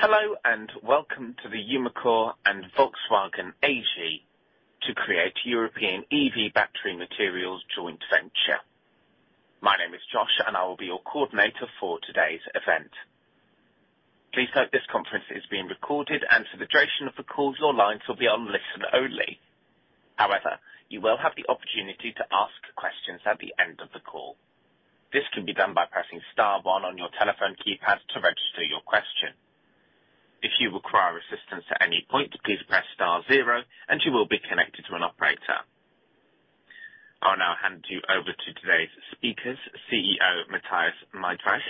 Hello, and welcome to the Umicore and Volkswagen AG to create European EV battery materials joint venture. My name is Josh, and I will be your coordinator for today's event. Please note this conference is being recorded, and for the duration of the call, your lines will be on listen only. However, you will have the opportunity to ask questions at the end of the call. This can be done by pressing star one on your telephone keypad to register your question. If you require assistance at any point, please press star zero and you will be connected to an operator. I'll now hand you over to today's speakers, CEO Mathias Miedreich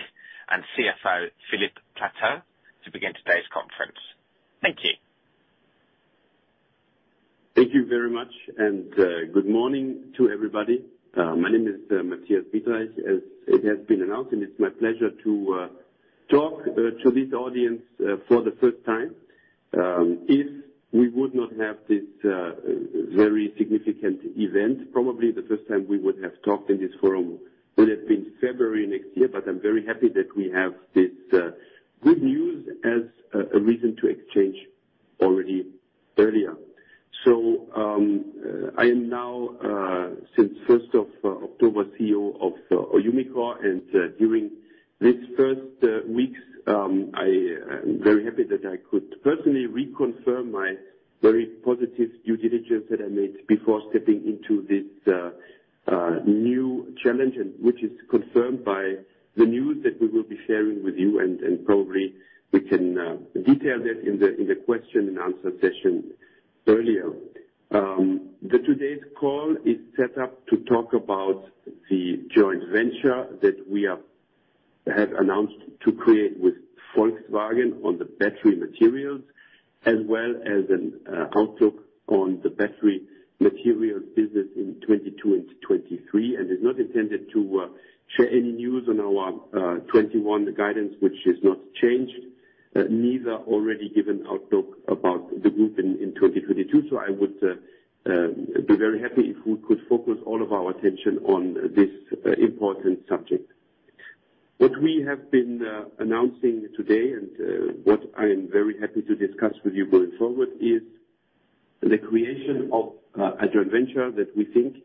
and CFO Filip Platteeuw, to begin today's conference. Thank you. Thank you very much and, good morning to everybody. My name is Mathias Miedreich, as it has been announced, and it's my pleasure to talk to this audience for the first time. If we would not have this very significant event, probably the first time we would have talked in this forum would have been February next year. I'm very happy that we have this good news as a reason to exchange already earlier. I am now since first of October CEO of Umicore, and during this first weeks I am very happy that I could personally reconfirm my very positive due diligence that I made before stepping into this new challenge, and which is confirmed by the news that we will be sharing with you. Probably we can detail that in the question and answer session earlier. Today's call is set up to talk about the joint venture that we have announced to create with Volkswagen on the battery materials. As well as an outlook on the battery materials business in 2022 and 2023, and is not intended to share any news on our 2021 guidance, which is not changed. Neither already given outlook about the group in 2022. I would be very happy if we could focus all of our attention on this important subject. What we have been announcing today and what I am very happy to discuss with you going forward is the creation of a joint venture that we think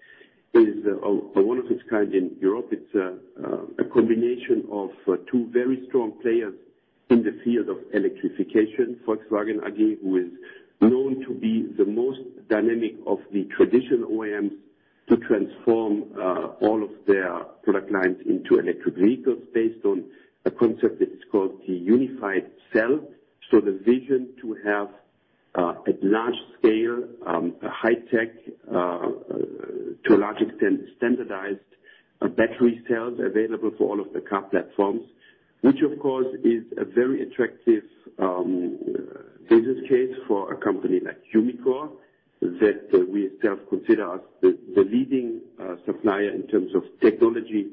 is a one of its kind in Europe. It's a combination of two very strong players in the field of electrification. Volkswagen AG, who is known to be the most dynamic of the traditional OEMs to transform all of their product lines into electric vehicles based on a concept that's called the unified cell. The vision to have at large scale a high tech to a large extent standardized battery cells available for all of the car platforms. Which of course is a very attractive business case for a company like Umicore, that we consider ourselves the leading supplier in terms of technology.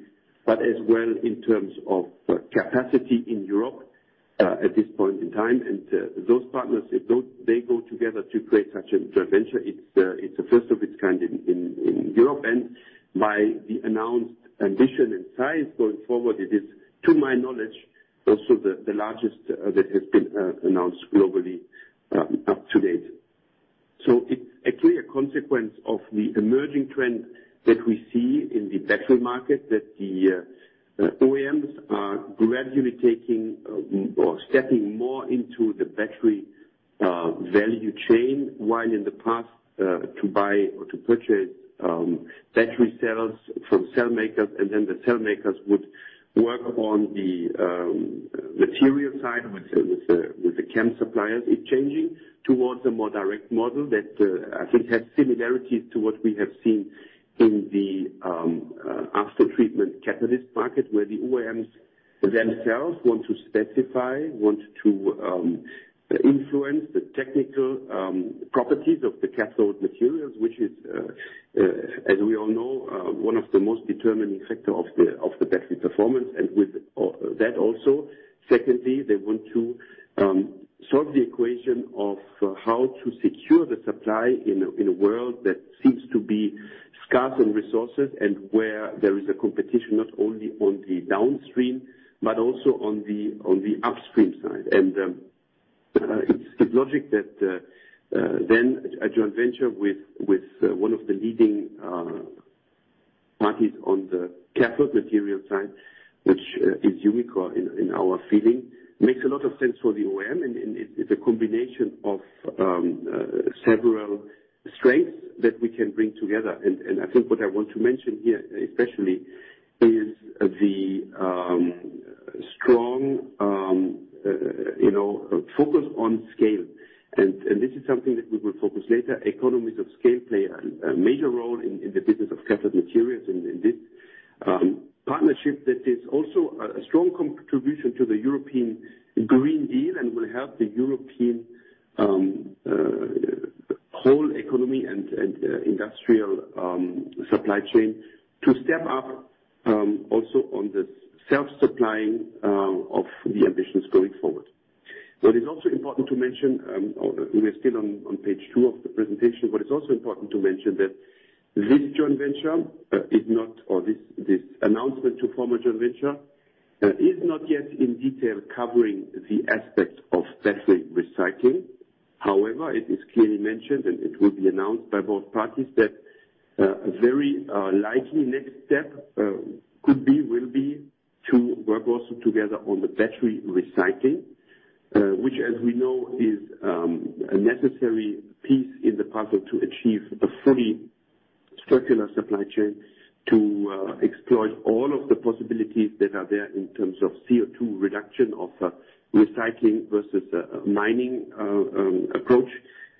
As well in terms of capacity in Europe at this point in time. Those partners go together to create such a joint venture, it's the first of its kind in Europe. By the announced ambition and size going forward, it is, to my knowledge, also the largest that has been announced globally up to date. It's a clear consequence of the emerging trend that we see in the battery market, that the OEMs are gradually taking or stepping more into the battery value chain. While in the past, to buy or to purchase battery cells from cell makers, and then the cell makers would work on the material side with the chem suppliers. It's changing towards a more direct model that I think has similarities to what we have seen in the after-treatment catalyst market. Where the OEMs themselves want to specify, influence the technical, properties of the cathode materials, which is, as we all know, one of the most determining factor of the battery performance. With that also, secondly, they want to solve the equation of how to secure the supply in a world that seems to be scarce on resources and where there is a competition not only on the downstream but also on the upstream side. It's logical that then a joint venture with one of the leading parties on the cathode material side, which is Umicore, in our feeling, makes a lot of sense for the OEM. It's a combination of several strengths that we can bring together. I think what I want to mention here especially is the strong you know focus on scale. This is something that we will focus later. Economies of scale play a major role in the business of cathode materials and in this partnership that is also a strong contribution to the European Green Deal and will help the European whole economy and industrial supply chain to step up also on the self-supplying of the ambitions going forward. What is also important to mention, we're still on page two of the presentation. What is also important to mention is that this announcement to form a joint venture is not yet in detail covering the aspects of battery recycling. However, it is clearly mentioned, and it will be announced by both parties that a very likely next step could be, will be to work also together on the battery recycling, which as we know is a necessary piece in the puzzle to achieve a fully circular supply chain to exploit all of the possibilities that are there in terms of CO₂ reduction of recycling versus mining approach.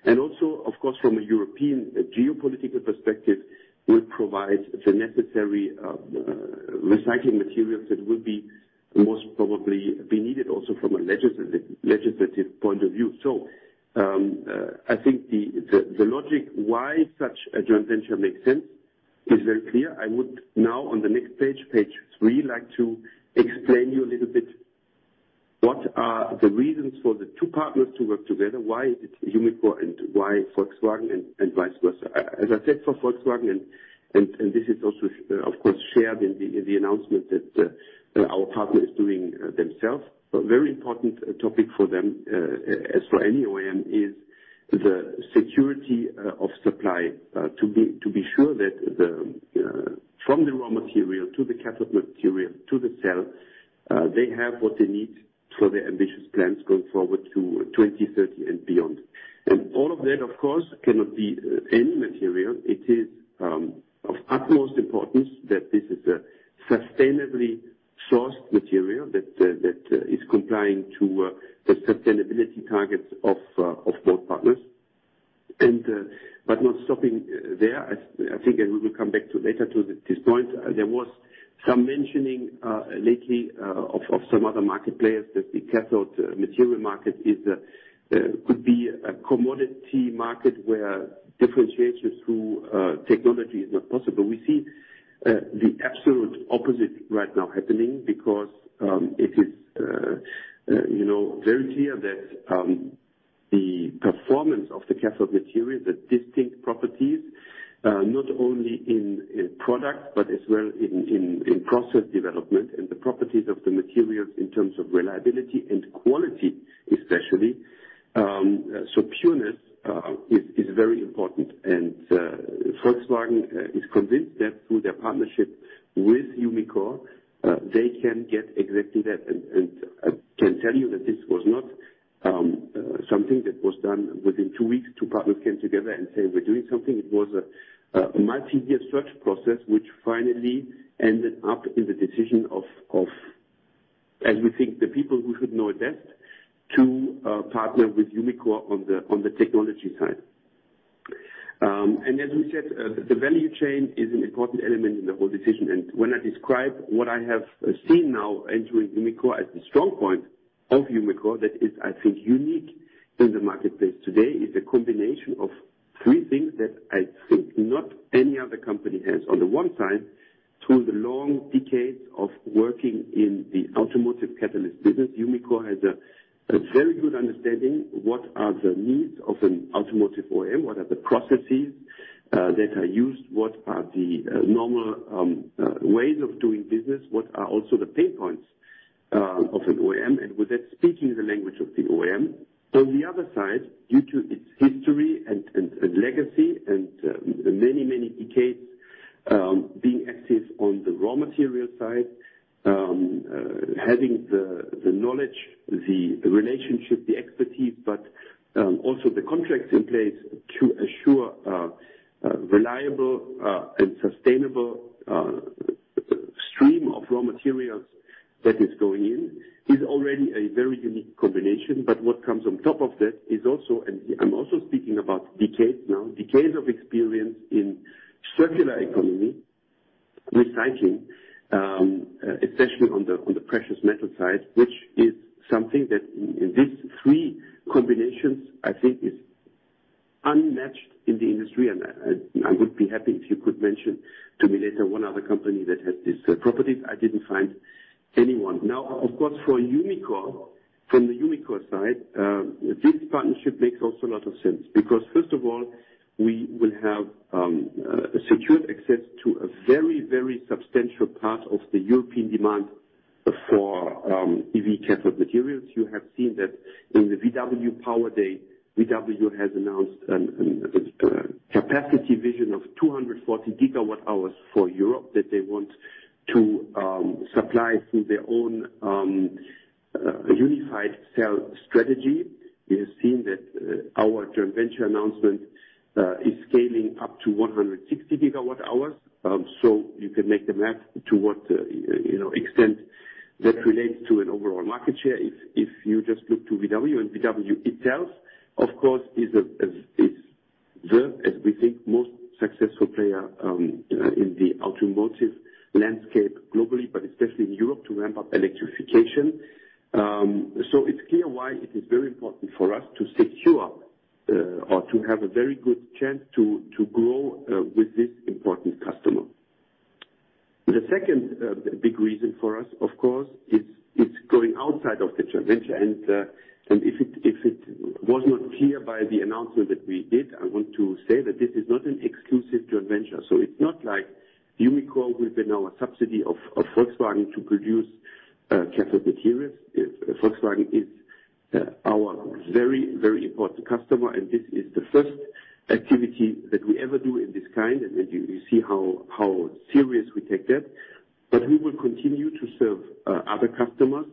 Also, of course, from a European geopolitical perspective, it will provide the necessary recycling materials that will most probably be needed also from a legislative point of view. I think the logic why such a joint venture makes sense is very clear. I would now, on the next page three, like to explain you a little bit what are the reasons for the two partners to work together, why it's Umicore and why Volkswagen and vice versa. As I said, for Volkswagen and this is also of course shared in the announcement that our partner is doing themselves. A very important topic for them, as for any OEM, is the security of supply to be sure that from the raw material to the cathode material to the cell they have what they need for their ambitious plans going forward to 2030 and beyond. All of that, of course, cannot be any material. It is of utmost importance that this is a sustainably sourced material that is complying to the sustainability targets of both partners. But not stopping there, I think and we will come back to this point later. There was some mentioning lately of some other market players that the cathode material market could be a commodity market where differentiation through technology is not possible. We see the absolute opposite right now happening because, you know, it is very clear that the performance of the cathode material, the distinct properties not only in product but as well in process development and the properties of the materials in terms of reliability and quality, especially. So pureness is very important. Volkswagen is convinced that through their partnership with Umicore, they can get exactly that. I can tell you that this was not something that was done within two weeks, two partners came together and said, "We're doing something." It was a multi-year search process, which finally ended up in the decision of as we think, the people who should know it best to partner with Umicore on the technology side. As we said, the value chain is an important element in the whole decision. When I describe what I have seen now entering Umicore as the strong point of Umicore, that is, I think, unique in the marketplace today, is a combination of three things that I think not any other company has. On the one side, through the long decades of working in the automotive catalyst business, Umicore has a very good understanding what are the needs of an automotive OEM, what are the processes that are used, what are the normal ways of doing business, what are also the pain points of an OEM, and with that, speaking the language of the OEM. On the other side, due to its history and legacy and many decades being active on the raw material side, having the knowledge, the relationship, the expertise, but also the contracts in place to assure a reliable and sustainable stream of raw materials that is going in is already a very unique combination. What comes on top of that is also, and I'm also speaking about decades of experience in circular economy, recycling, especially on the precious metal side, which is something that in these three combinations, I think is unmatched in the industry. I would be happy if you could mention to me later one other company that has these properties. I didn't find anyone. Now, of course, for Umicore, from the Umicore side, this partnership makes also a lot of sense because first of all, we will have secured access to a very, very substantial part of the European demand for EV cathode materials. You have seen that in the VW Power Day, VW has announced a capacity vision of 240 GWh for Europe that they want to supply through their own unified cell strategy. You have seen that our joint venture announcement is scaling up to 160 GWh. You can do the math to what, you know, extent that relates to an overall market share if you just look to VW. VW itself, of course, is, as we think, the most successful player in the automotive landscape globally, but especially in Europe, to ramp up electrification. It's clear why it is very important for us to secure or to have a very good chance to grow with this important customer. The second big reason for us, of course, is going outside of the joint venture. If it was not clear by the announcement that we did, I want to say that this is not an exclusive joint venture. It's not like Umicore will be now a subsidiary of Volkswagen to produce cathode materials. Volkswagen is our very important customer, and this is the first activity that we ever do in this kind. You see how serious we take that. We will continue to serve other customers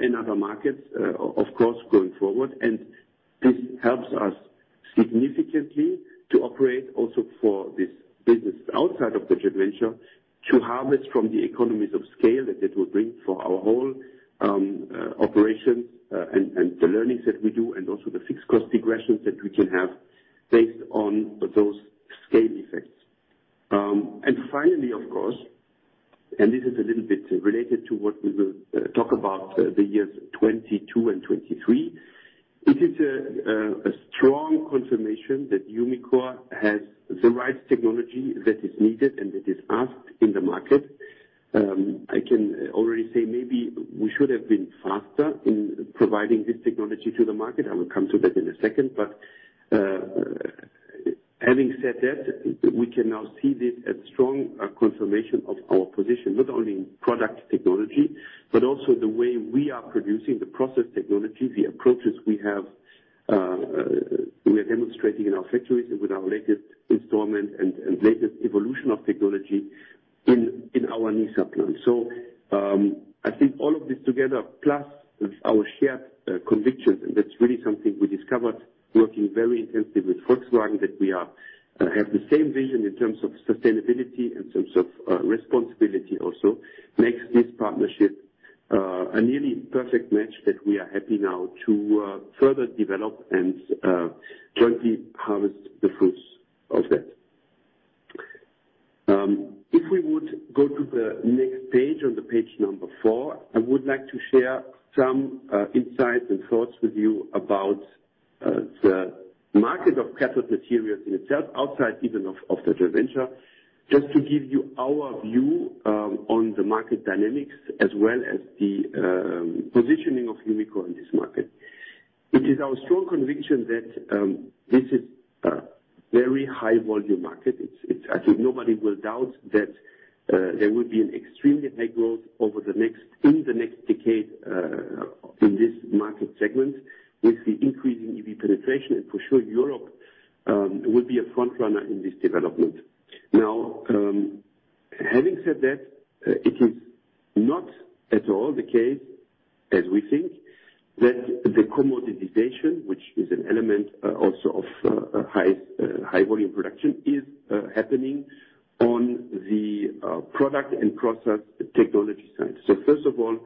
in other markets, of course, going forward. This helps us significantly to operate also for this business outside of the joint venture to harvest from the economies of scale that it will bring for our whole operations, and the learnings that we do and also the fixed cost regressions that we can have based on those scale effects. Finally, of course, this is a little bit related to what we will talk about, the years 2022 and 2023. It is a strong confirmation that Umicore has the right technology that is needed and that is asked in the market. I can already say maybe we should have been faster in providing this technology to the market. I will come to that in a second. Having said that, we can now see this as strong confirmation of our position, not only in product technology but also the way we are producing the process technology, the approaches we have, we are demonstrating in our factories with our latest installation and latest evolution of technology in our Nysa plant. I think all of this together, plus with our shared convictions, and that's really something we discovered working very intensively with Volkswagen, that we have the same vision in terms of sustainability, in terms of responsibility also, makes this partnership a nearly perfect match that we are happy now to further develop and jointly harvest the fruits of that. If we would go to the next page, on page number four, I would like to share some insights and thoughts with you about the market of cathode materials in itself, outside even of the joint venture. Just to give you our view on the market dynamics as well as the positioning of Umicore in this market. It is our strong conviction that this is a very high volume market. It's I think nobody will doubt that there will be an extremely high growth in the next decade in this market segment with the increasing EV penetration. For sure, Europe will be a front runner in this development. Now, having said that, it is not at all the case, as we think, that the commoditization, which is an element also of high volume production, is happening on the product and process technology side. First of all,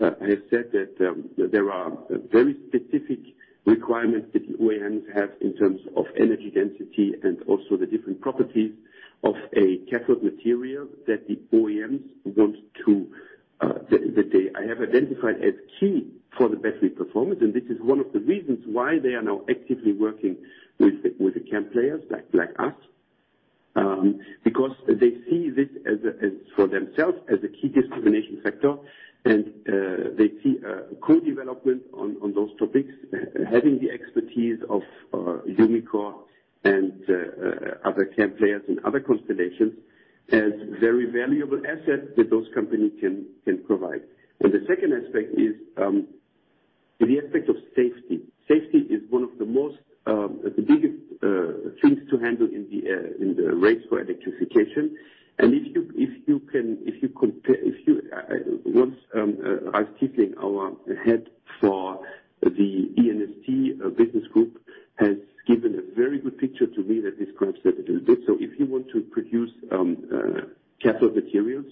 I have said that there are very specific requirements that the OEMs have in terms of energy density and also the different properties of a cathode material that the OEMs want to, that they have identified as key for the battery performance. This is one of the reasons why they are now actively working with the CAM players like us. Because they see this as for themselves as a key differentiation factor. They see a co-development on those topics having the expertise of Umicore and other CAM players and other constellations as very valuable asset that those companies can provide. The second aspect is the aspect of safety. Safety is one of the biggest things to handle in the race for electrification. Once Ralph Kiessling, our head for the E&ST business group, has given a very good picture to me that describes that a little bit. If you want to produce cathode materials,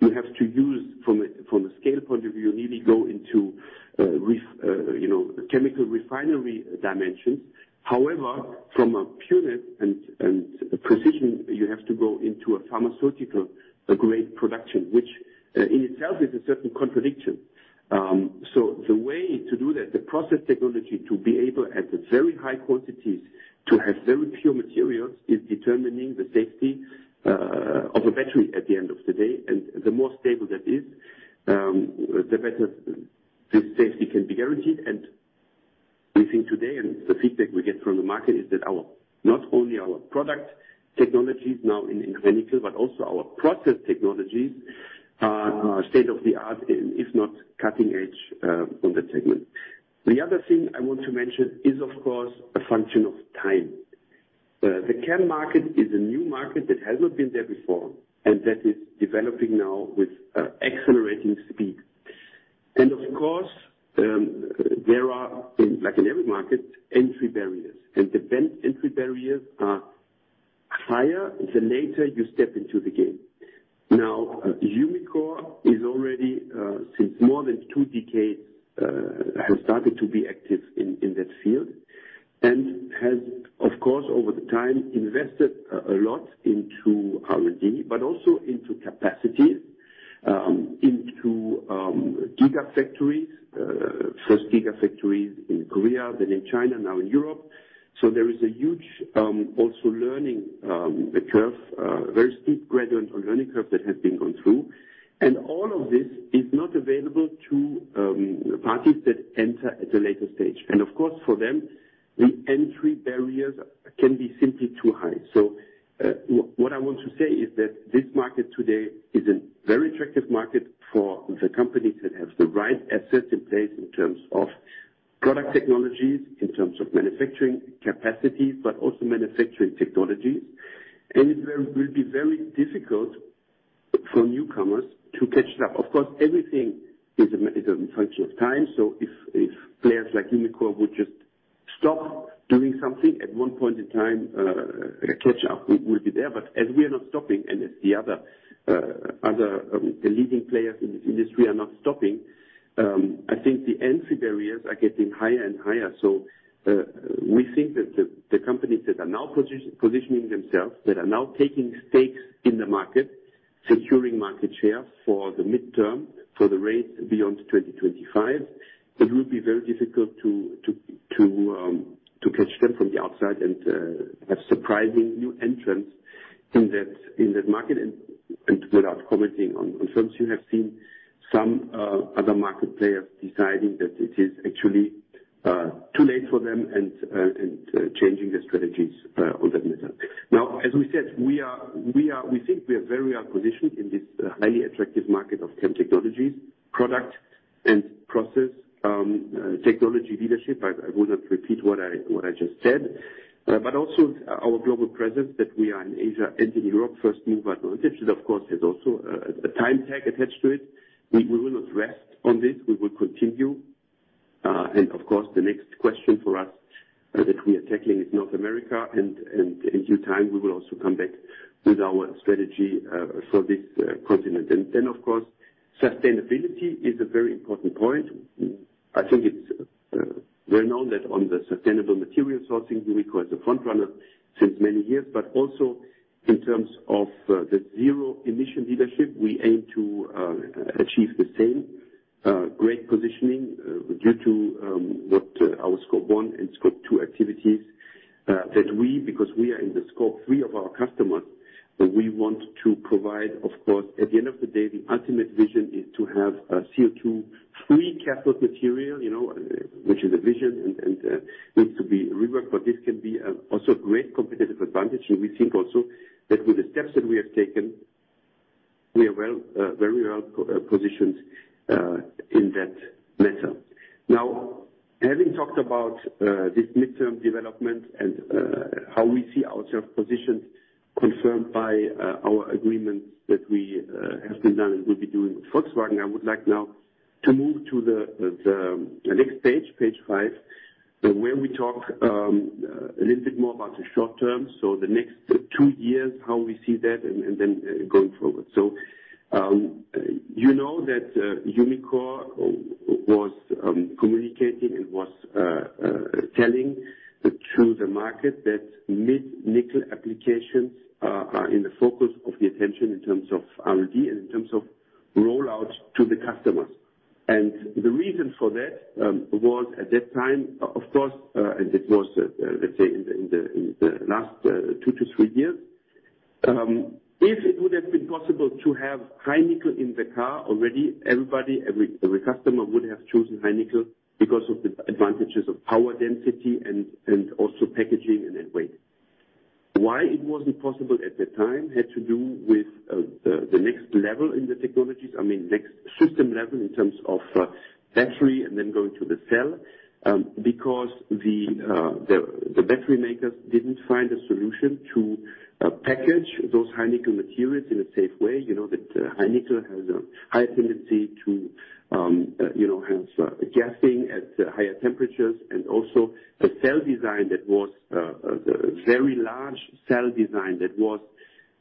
you have to use from a scale point of view, you really go into you know, chemical refinery dimensions. However, from a purity and precision, you have to go into a pharmaceutical grade production, which in itself is a certain contradiction. The way to do that, the process technology to be able at the very high quantities to have very pure materials, is determining the safety of a battery at the end of the day. The more stable that is, the better the safety can be guaranteed. We think today and the feedback we get from the market is that our not only our product technologies now in high-nickel, but also our process technologies are state-of-the-art, if not cutting-edge, on that segment. The other thing I want to mention is, of course, a function of time. The CAM market is a new market that has not been there before, and that is developing now with accelerating speed. Of course, there are, in, like in every market, entry barriers. The entry barriers are higher the later you step into the game. Umicore is already since more than two decades has started to be active in that field. Has, of course, over the time, invested a lot into R&D, but also into capacity, into gigafactories, first gigafactories in Korea, then in China, now in Europe. There is a huge also learning curve, very steep gradient or learning curve that has been gone through. All of this is not available to parties that enter at a later stage. Of course, for them, the entry barriers can be simply too high. What I want to say is that this market today is a very attractive market for the companies that have the right assets in place in terms of product technologies, in terms of manufacturing capacity, but also manufacturing technologies. It will be very difficult for newcomers to catch it up. Of course, everything is a function of time, so if players like Umicore would just stop doing something, at one point in time, a catch-up will be there. As we are not stopping, and as the other, the leading players in this industry are not stopping, I think the entry barriers are getting higher and higher. We think that the companies that are now positioning themselves, that are now taking stakes in the market, securing market share for the midterm, for the rates beyond 2025, it will be very difficult to catch them from the outside and have surprising new entrants in that market. Without commenting on firms you have seen some other market players deciding that it is actually too late for them and changing their strategies on that matter. Now, as we said, we think we are very well positioned in this highly attractive market of CAM technologies, product and process, technology leadership. I wouldn't repeat what I just said. Also our global presence that we are in Asia and in Europe, first mover advantage, that of course has also a time tag attached to it. We will not rest on this. We will continue. Of course, the next question for us that we are tackling is North America, and in due time, we will also come back with our strategy for this continent. Then of course, sustainability is a very important point. I think it's well-known that on the sustainable material sourcing, Umicore is a front runner since many years. Also in terms of the zero-emission leadership, we aim to achieve the same great positioning due to our scope one and scope two activities because we are in the scope 3 of our customers that we want to provide, of course, at the end of the day, the ultimate vision is to have a CO₂-free cathode material, you know, which is a vision and needs to be reworked, but this can be also a great competitive advantage. We think also that with the steps that we have taken, we are very well positioned in that matter. Now, having talked about this midterm development and how we see ourselves positioned, confirmed by our agreements that we have done and will be doing with Volkswagen, I would like now to move to the next page five, where we talk a little bit more about the short term, so the next two years, how we see that and then going forward. You know that Umicore was communicating and was telling to the market that mid nickel applications are in the focus of the attention in terms of R&D and in terms of rollout to the customers. The reason for that was at that time, of course, and it was, let's say in the last two to three years, if it would have been possible to have high nickel in the car already, every customer would have chosen high nickel because of the advantages of power density and also packaging and then weight. Why it wasn't possible at that time had to do with the next level in the technologies. I mean, next system level in terms of battery and then going to the cell, because the battery makers didn't find a solution to package those high nickel materials in a safe way. You know that high nickel has a high tendency to, you know, has gassing at higher temperatures. The cell design that was the very large cell design that was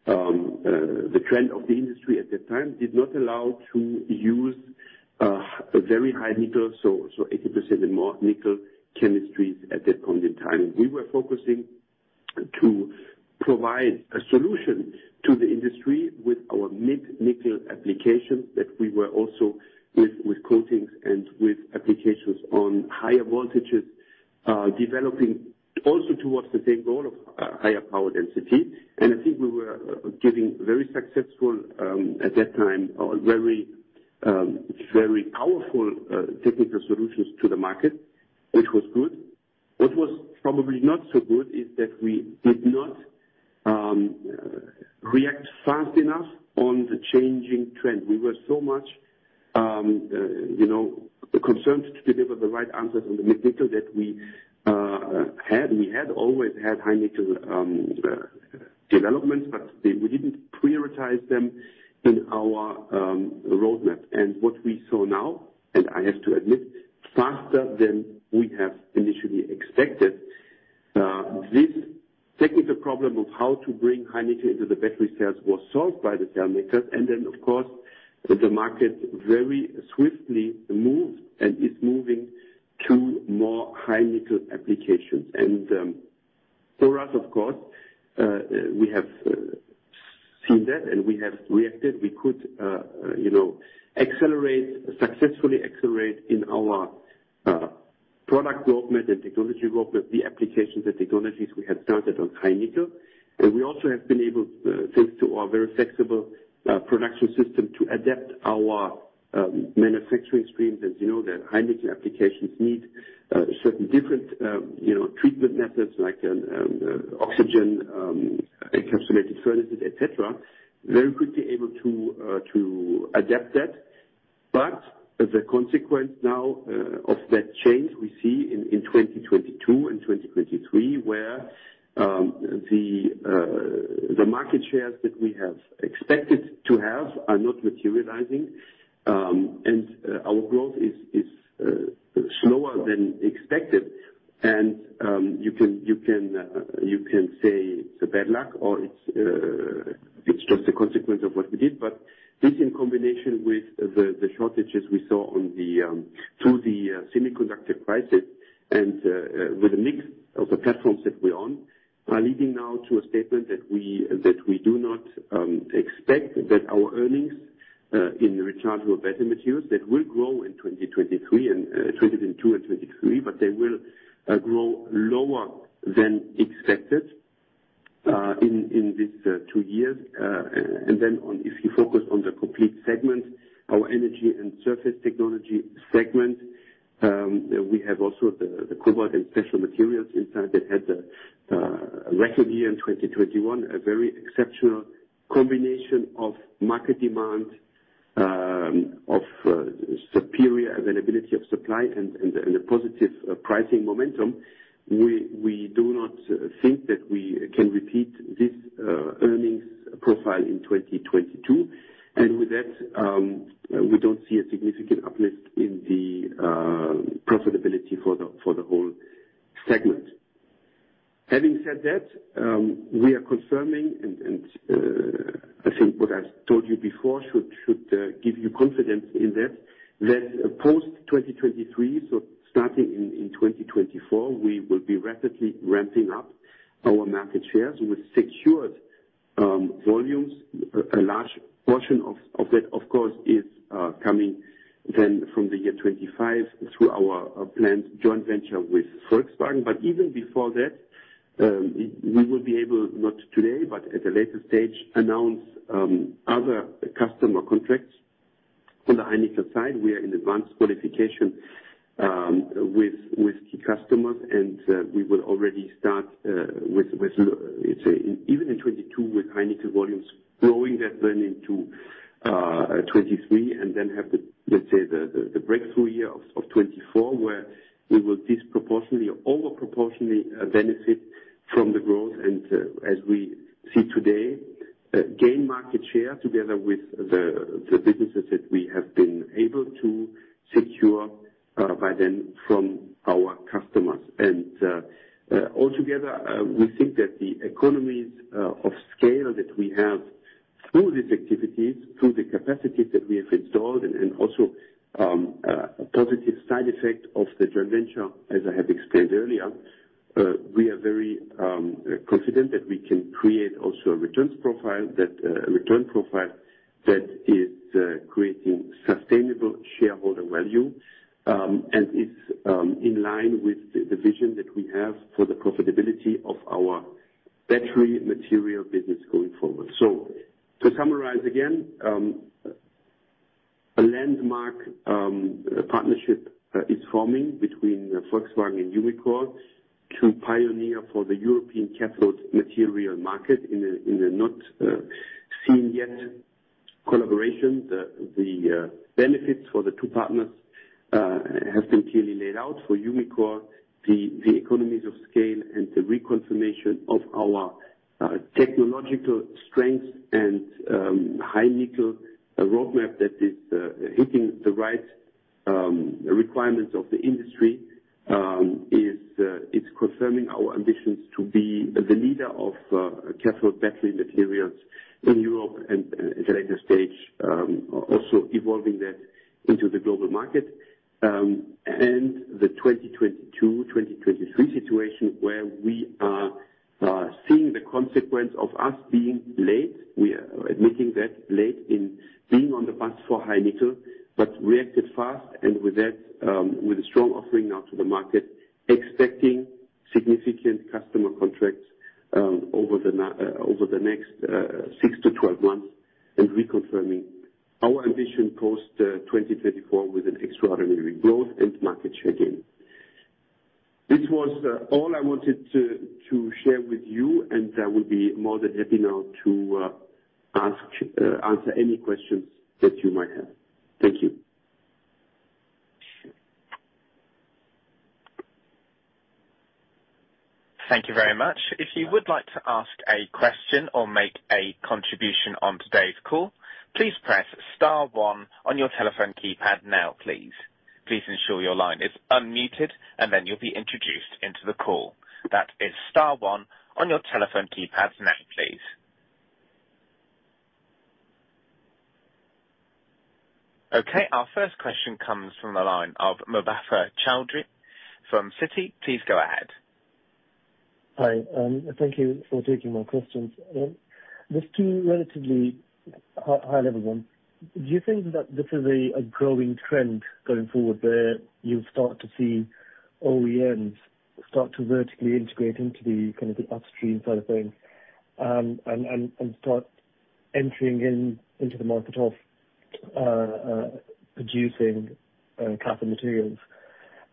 the trend of the industry at that time did not allow to use a very high nickel, so 80% or more nickel chemistries at that point in time. We were focusing to provide a solution to the industry with our mid nickel application that we were also with coatings and with applications on higher voltages developing also towards the same goal of higher power density. I think we were giving very successful, at that time, very powerful technical solutions to the market, which was good. What was probably not so good is that we did not react fast enough on the changing trend. We were so much, you know, concerned to deliver the right answers on the mid nickel that we had. We had always had high nickel developments, but we didn't prioritize them in our roadmap. What we saw now, and I have to admit, faster than we have initially expected, this technical problem of how to bring high nickel into the battery cells was solved by the cell makers. Then of course, the market very swiftly moved and is moving to more high nickel applications. For us, of course, we have seen that and we have reacted. We could, you know, successfully accelerate in our product development and technology development, the applications and technologies we have started on high nickel. We also have been able, thanks to our very flexible production system, to adapt our manufacturing streams. As you know, the high nickel applications need certain different, you know, treatment methods like oxygen encapsulated furnaces, et cetera. Very quickly able to adapt that. The consequence now of that change we see in 2022 and 2023, where the market shares that we have expected to have are not materializing, and our growth is slower than expected. You can say it's bad luck or it's just a consequence of what we did. This in combination with the shortages we saw through the semiconductor crisis and with the mix of the platforms that we're on are leading now to a statement that we do not expect that our earnings in rechargeable battery materials will grow in 2023 and 2022 and 2023, but they will grow lower than expected in this two years. If you focus on the complete segment, our Energy & Surface Technologies segment, we have also the Cobalt & Special Materials inside that had a record year in 2021. A very exceptional combination of market demand of superior availability of supply and a positive pricing momentum. We do not think that we can repeat this earnings profile in 2022. With that, we don't see a significant uplift in the profitability for the whole segment. Having said that, we are confirming and I think what I told you before should give you confidence in that post-2023, so starting in 2024, we will be rapidly ramping up our market shares with secured volumes. A large portion of that, of course, is coming then from 2025 through our planned joint venture with Volkswagen. But even before that, we will be able, not today, but at a later stage, announce other customer contracts. On the high nickel side, we are in advanced qualification with key customers, and we will already start with, let's say, even in 2022 with high nickel volumes growing that then into 2023 and then have the, let's say, the breakthrough year of 2024, where we will disproportionally over proportionally benefit from the growth. As we see today, gain market share together with the businesses that we have been able to secure by then from our customers. Altogether, we think that the economies of scale that we have through these activities, through the capacities that we have installed and also a positive side effect of the joint venture, as I have explained earlier. We are very confident that we can create also a return profile that is creating sustainable shareholder value and is in line with the vision that we have for the profitability of our battery material business going forward. To summarize again, a landmark partnership is forming between Volkswagen and Umicore to pioneer for the European cathode material market in a not yet seen collaboration. The benefits for the two partners has been clearly laid out. For Umicore, the economies of scale and the reconfirmation of our technological strengths and high nickel roadmap that is hitting the right requirements of the industry is confirming our ambitions to be the leader of cathode battery materials in Europe and at a later stage also evolving that into the global market. The 2022, 2023 situation where we are seeing the consequence of us being late. We are admitting that late in being on the bus for high nickel, but reacted fast and with a strong offering now to the market, expecting significant customer contracts over the next 6 to 12 months. Reconfirming our ambition post 2024 with an extraordinary growth and market share gain. This was all I wanted to share with you, and I will be more than happy now to answer any questions that you might have. Thank you. Thank you very much. If you would like to ask a question or make a contribution on today's call, please press star one on your telephone keypad now please. Please ensure your line is unmuted and then you'll be introduced into the call. That is star one on your telephone keypad now, please. Okay, our first question comes from the line of Mubasher Chaudhry from Citi. Please go ahead. Hi, thank you for taking my questions. Just two relatively high level one. Do you think that this is a growing trend going forward, where you'll start to see OEMs start to vertically integrate into the kind of the upstream side of things, and start entering into the market of producing cathode materials?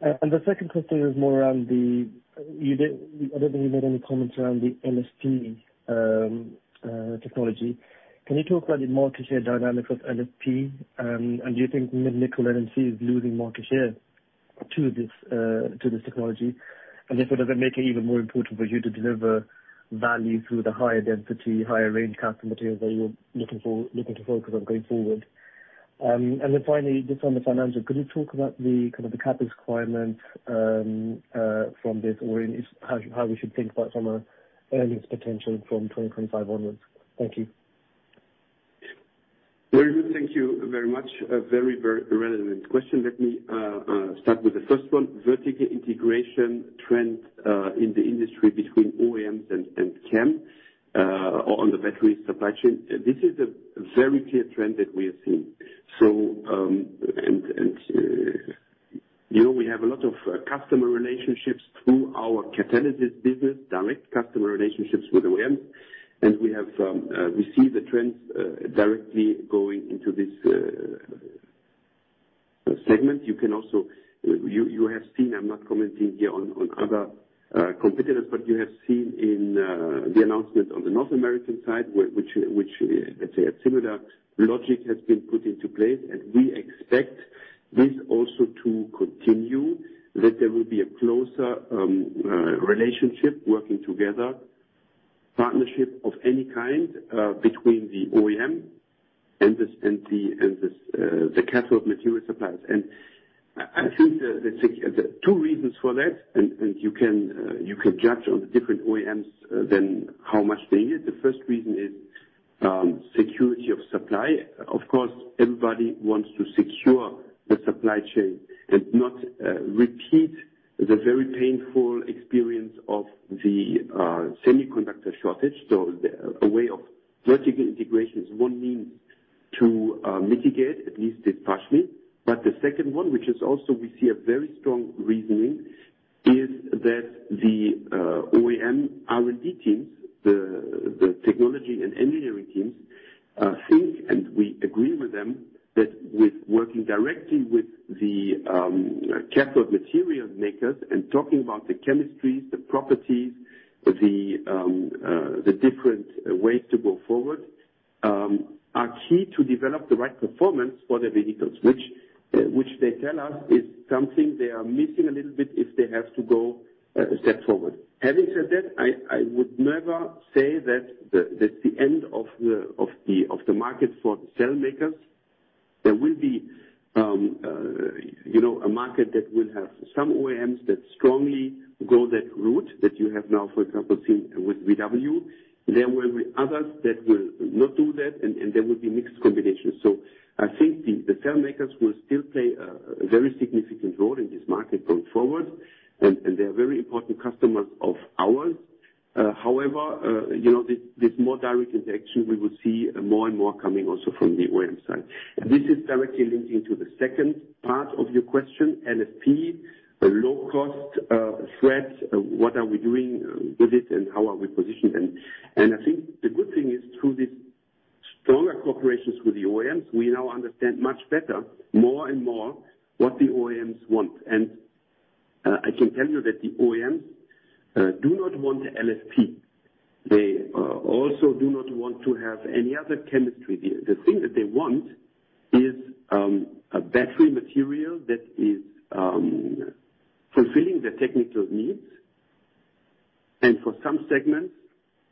The second question is more around the LFP. I don't think you made any comments around the LFP technology. Can you talk about the market share dynamics of LFP, and do you think mid nickel NMC is losing market share to this technology? If so, does it make it even more important for you to deliver value through the higher density, higher range cathode material that you're looking to focus on going forward? Finally, just on the financial, could you talk about the kind of the CapEx requirement from this, or how we should think about it from a earnings potential from 2025 onwards? Thank you. Well, thank you very much. A very, very relevant question. Let me start with the first one. Vertical integration trend in the industry between OEMs and Chem on the batteries supply chain. This is a very clear trend that we are seeing. You know, we have a lot of customer relationships through our catalysis business, direct customer relationships with OEMs. We see the trends directly going into this segment. You can also. You have seen, I'm not commenting here on other competitors, but you have seen in the announcement on the North American side which, let's say, a similar logic has been put into place. We expect this also to continue, that there will be a closer relationship working together, partnership of any kind, between the OEM and the cathode material suppliers. I think the two reasons for that, and you can judge on the different OEMs than how much they need. The first reason is security of supply. Of course, everybody wants to secure the supply chain and not repeat the very painful experience of the semiconductor shortage. A way of vertical integration is one means to mitigate, at least partially. The second one, which is also we see a very strong reasoning, is that the OEM R&D teams, the technology and engineering teams, think, and we agree with them, that with working directly with the cathode material makers and talking about the chemistries, the properties, the different ways to go forward, are key to develop the right performance for their vehicles. Which they tell us is something they are missing a little bit if they have to go a step forward. Having said that, I would never say that the end of the market for the cell makers. There will be, you know, a market that will have some OEMs that strongly go that route that you have now, for example, seen with VW. There will be others that will not do that, and there will be mixed combinations. I think the cell makers will still play a very significant role in this market going forward. They are very important customers of ours. However, you know, this more direct interaction we will see more and more coming also from the OEM side. This is directly linking to the second part of your question, LFP, low cost, threats, what are we doing with it, and how are we positioned? I think the good thing is through these stronger cooperations with the OEMs, we now understand much better, more and more, what the OEMs want. I can tell you that the OEMs do not want LFP. They also do not want to have any other chemistry. The thing that they want is a battery material that is fulfilling their technical needs. For some segments,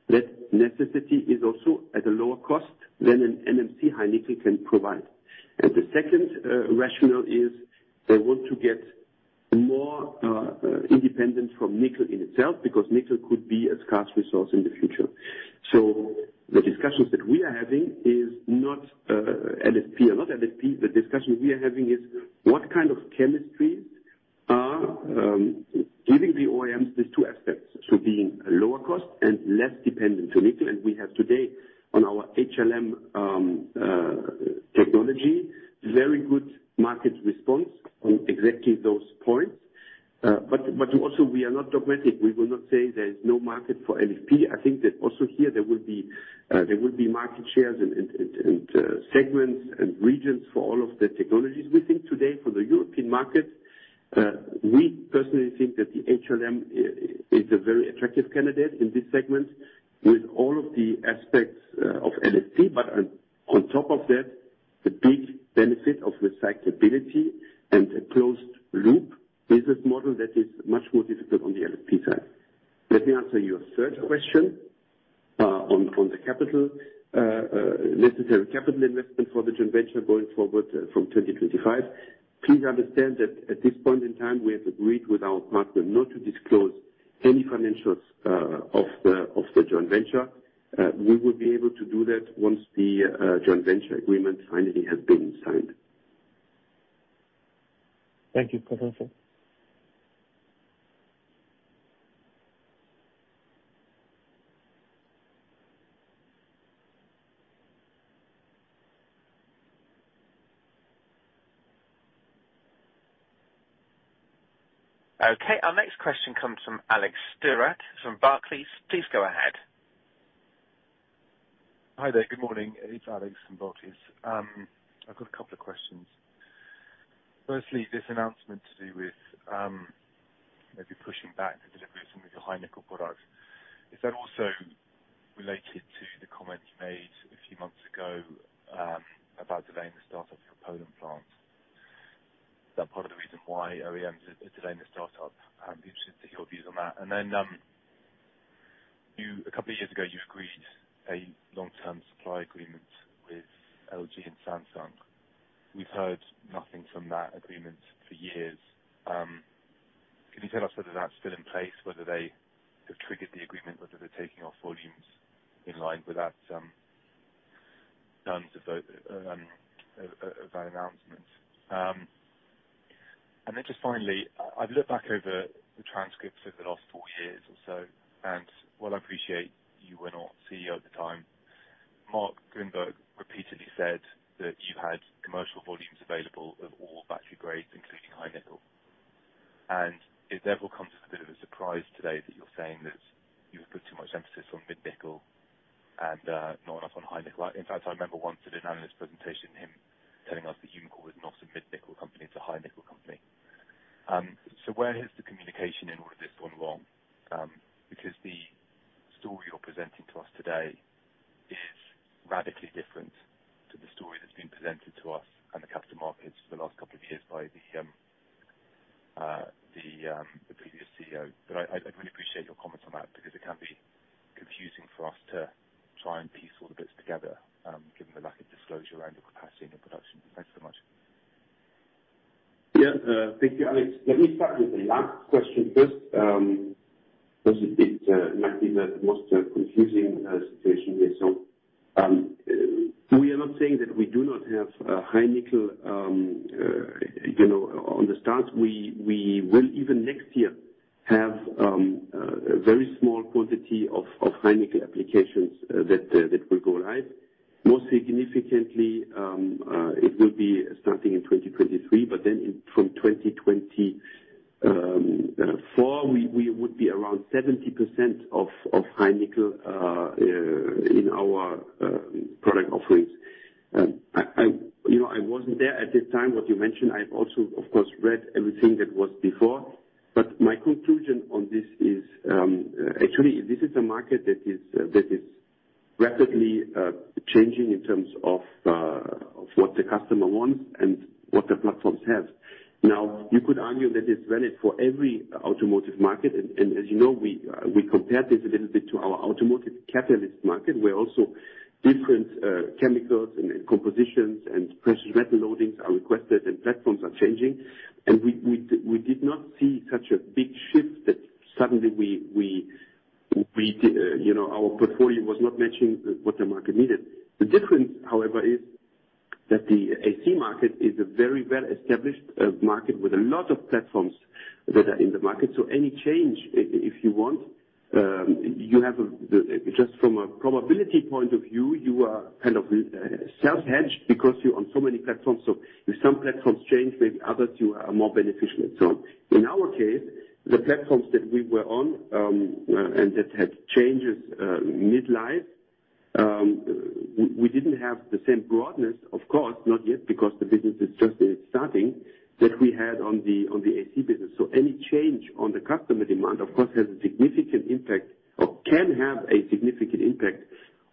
that necessity is also at a lower cost than an NMC high nickel can provide. The second rationale is they want to get more independent from nickel in itself, because nickel could be a scarce resource in the future. The discussions that we are having are not LFP. The discussion we are having is what kind of chemistries are giving the OEMs these two aspects to being lower cost and less dependent on nickel. We have today on our HLM technology very good market response on exactly those points. Also we are not dogmatic. We will not say there is no market for LFP. I think that also here there will be market shares and segments and regions for all of the technologies. We think today for the European market, we personally think that the HLM is a very attractive candidate in this segment with all of the aspects of LFP. But on top of that, the big benefit of recyclability and a closed loop business model that is much more difficult on the LFP side. Let me answer your third question on the necessary capital investment for the joint venture going forward from 2025. Please understand that at this point in time, we have agreed with our partner not to disclose any financials of the joint venture. We will be able to do that once the joint venture agreement finally has been signed. Thank you. Okay, our next question comes from Alex Stewart from Barclays. Please go ahead. Hi there. Good morning. It's Alex from Barclays. I've got a couple of questions. Firstly, this announcement to do with maybe pushing back the delivery of some of your high nickel products. Is that also related to the comment you made a few months ago about delaying the start of your Poland plant? Is that part of the reason why OEM is delaying the start of interested to hear your views on that. A couple of years ago, you agreed a long-term supply agreement with LG and Samsung. We've heard nothing from that agreement for years. Can you tell us whether that's still in place, whether they have triggered the agreement, whether they're taking offtake volumes in line with the terms of that announcement? Just finally, I've looked back over the transcripts of the last four years or so, and while I appreciate you were not CEO at the time, Marc Grynberg repeatedly said that you had commercial volumes available of all battery grades, including high nickel. It therefore comes as a bit of a surprise today that you're saying that you've put too much emphasis on mid nickel and not enough on high nickel. In fact, I remember once at an analyst presentation him telling us that Umicore is not a mid nickel company, it's a high nickel company. Where has the communication in all of this gone wrong? Because the story you're presenting to us today is radically different to the story that's been presented to us and the capital markets for the last couple of years by the previous CEO. I'd really appreciate your comments on that because it can be confusing for us to try and piece all the bits together, given the lack of disclosure around your capacity and your production. Thanks so much. Yeah. Thank you, Alex. Let me start with the last question first, because it might be the most confusing situation here. We are not saying that we do not have a high nickel, you know, on the start. We will even next year have a very small quantity of high nickel applications that will go live. More significantly, it will be starting in 2023, but then from 2024 we would be around 70% of high nickel in our product offerings. You know, I wasn't there at the time what you mentioned. I've also, of course, read everything that was before, but my conclusion on this is, actually this is a market that is rapidly changing in terms of what the customer wants and what the platforms have. Now, you could argue that it's valid for every automotive market. As you know, we compare this a little bit to our automotive catalyst market, where also different chemicals and compositions and precious metal loadings are requested and platforms are changing. We did not see such a big shift that suddenly we, you know, our portfolio was not matching what the market needed. The difference, however, is that the AC market is a very well-established market with a lot of platforms that are in the market. Any change, if you want, you have just from a probability point of view, you are kind of self-hedged because you're on so many platforms. If some platforms change, maybe others you are more beneficial. In our case, the platforms that we were on and that had changes mid life, we didn't have the same broadness. Of course, not yet, because the business is just starting, that we had on the AC business. Any change on the customer demand of course has a significant impact or can have a significant impact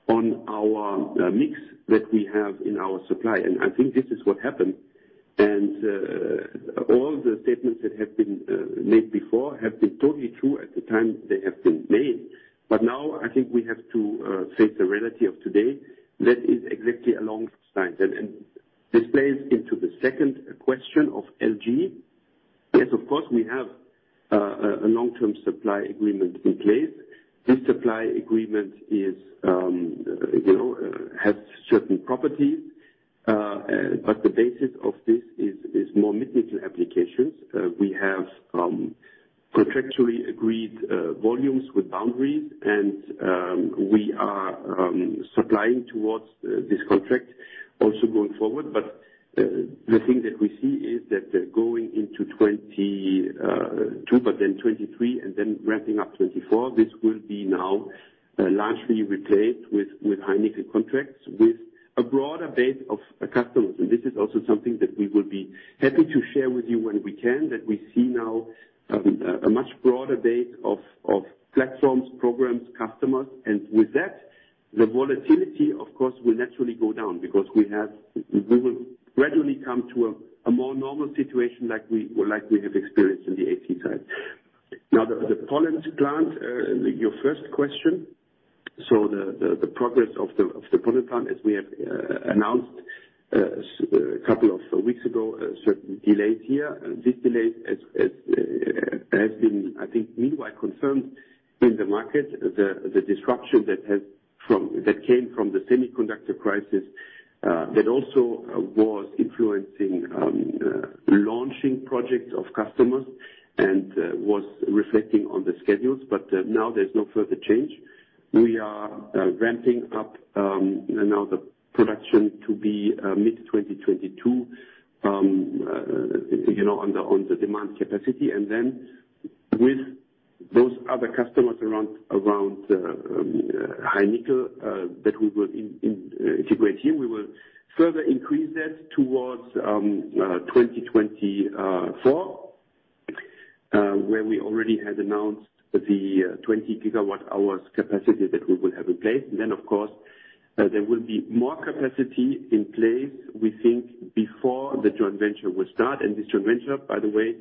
on our mix that we have in our supply. I think this is what happened. All the statements that have been made before have been totally true at the time they have been made. Now I think we have to face the reality of today that is exactly along those lines. This plays into the second question of LG. Yes, of course, we have a long-term supply agreement in place. This supply agreement is, you know, has certain properties. The basis of this is more mid-nickel applications. We have contractually agreed volumes with boundaries. We are supplying towards this contract also going forward. The thing that we see is that going into 2022, but then 2023 and then ramping up 2024, this will be now largely replaced with high-nickel contracts with a broader base of customers. This is also something that we will be happy to share with you when we can, that we see now a much broader base of platforms, programs, customers. With that, the volatility of course will naturally go down because we will gradually come to a more normal situation like we have experienced in the AC side. Now, the Poland plant, your first question. The progress of the Poland plant, as we have announced a couple of weeks ago, certain delays here. These delays, as has been, I think, meanwhile concerned in the market, the disruption that came from the semiconductor crisis that also was influencing launching projects of customers and was reflecting on the schedules. Now there's no further change. We are ramping up now the production to be mid-2022, you know, on the demand capacity. With those other customers around high nickel that we will integrate here, we will further increase that towards 2024, where we already had announced the 20 GWh capacity that we will have in place. Of course, there will be more capacity in place, we think, before the joint venture will start. This joint venture, by the way,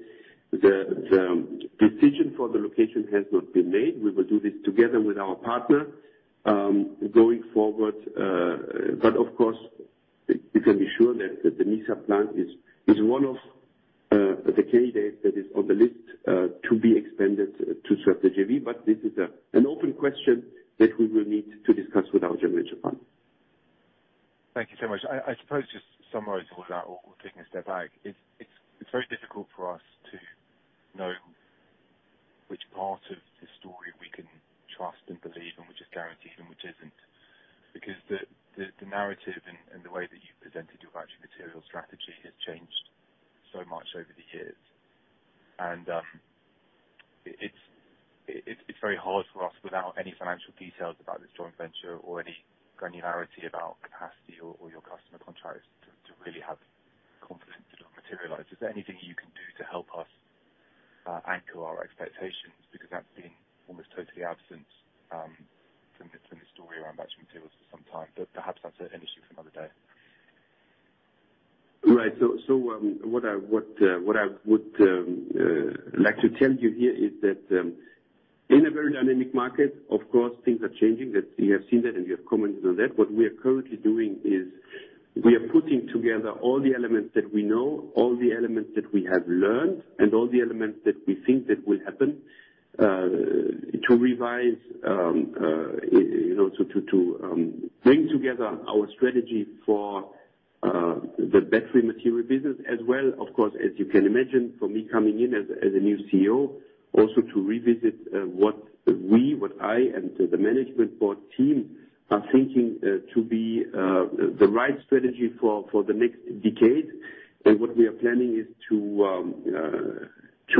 the decision for the location has not been made. We will do this together with our partner going forward. Of course, you can be sure that the Nysa plant is one of the candidates that is on the list to be expanded to serve the JV. This is an open question that we will need to discuss with our joint venture partner. Thank you so much. I suppose just to summarize all that or taking a step back, it's very difficult for us to know which part of this story we can trust and believe and which is guaranteed and which isn't. Because the narrative and the way that you presented your battery material strategy has changed so much over the years. It's very hard for us, without any financial details about this joint venture or any granularity about capacity or your customer contracts, to really have confidence it'll materialize. Is there anything you can do to help us anchor our expectations? Because that's been almost totally absent from the story around battery materials for some time. Perhaps that's an issue for another day. What I would like to tell you here is that, in a very dynamic market, of course things are changing. We have seen that and we have commented on that. What we are currently doing is we are putting together all the elements that we know, all the elements that we have learned, and all the elements that we think that will happen to revise, you know, so to bring together our strategy for the battery material business as well. Of course, as you can imagine, for me coming in as a new CEO, also to revisit what I and the management board team are thinking to be the right strategy for the next decade. What we are planning is to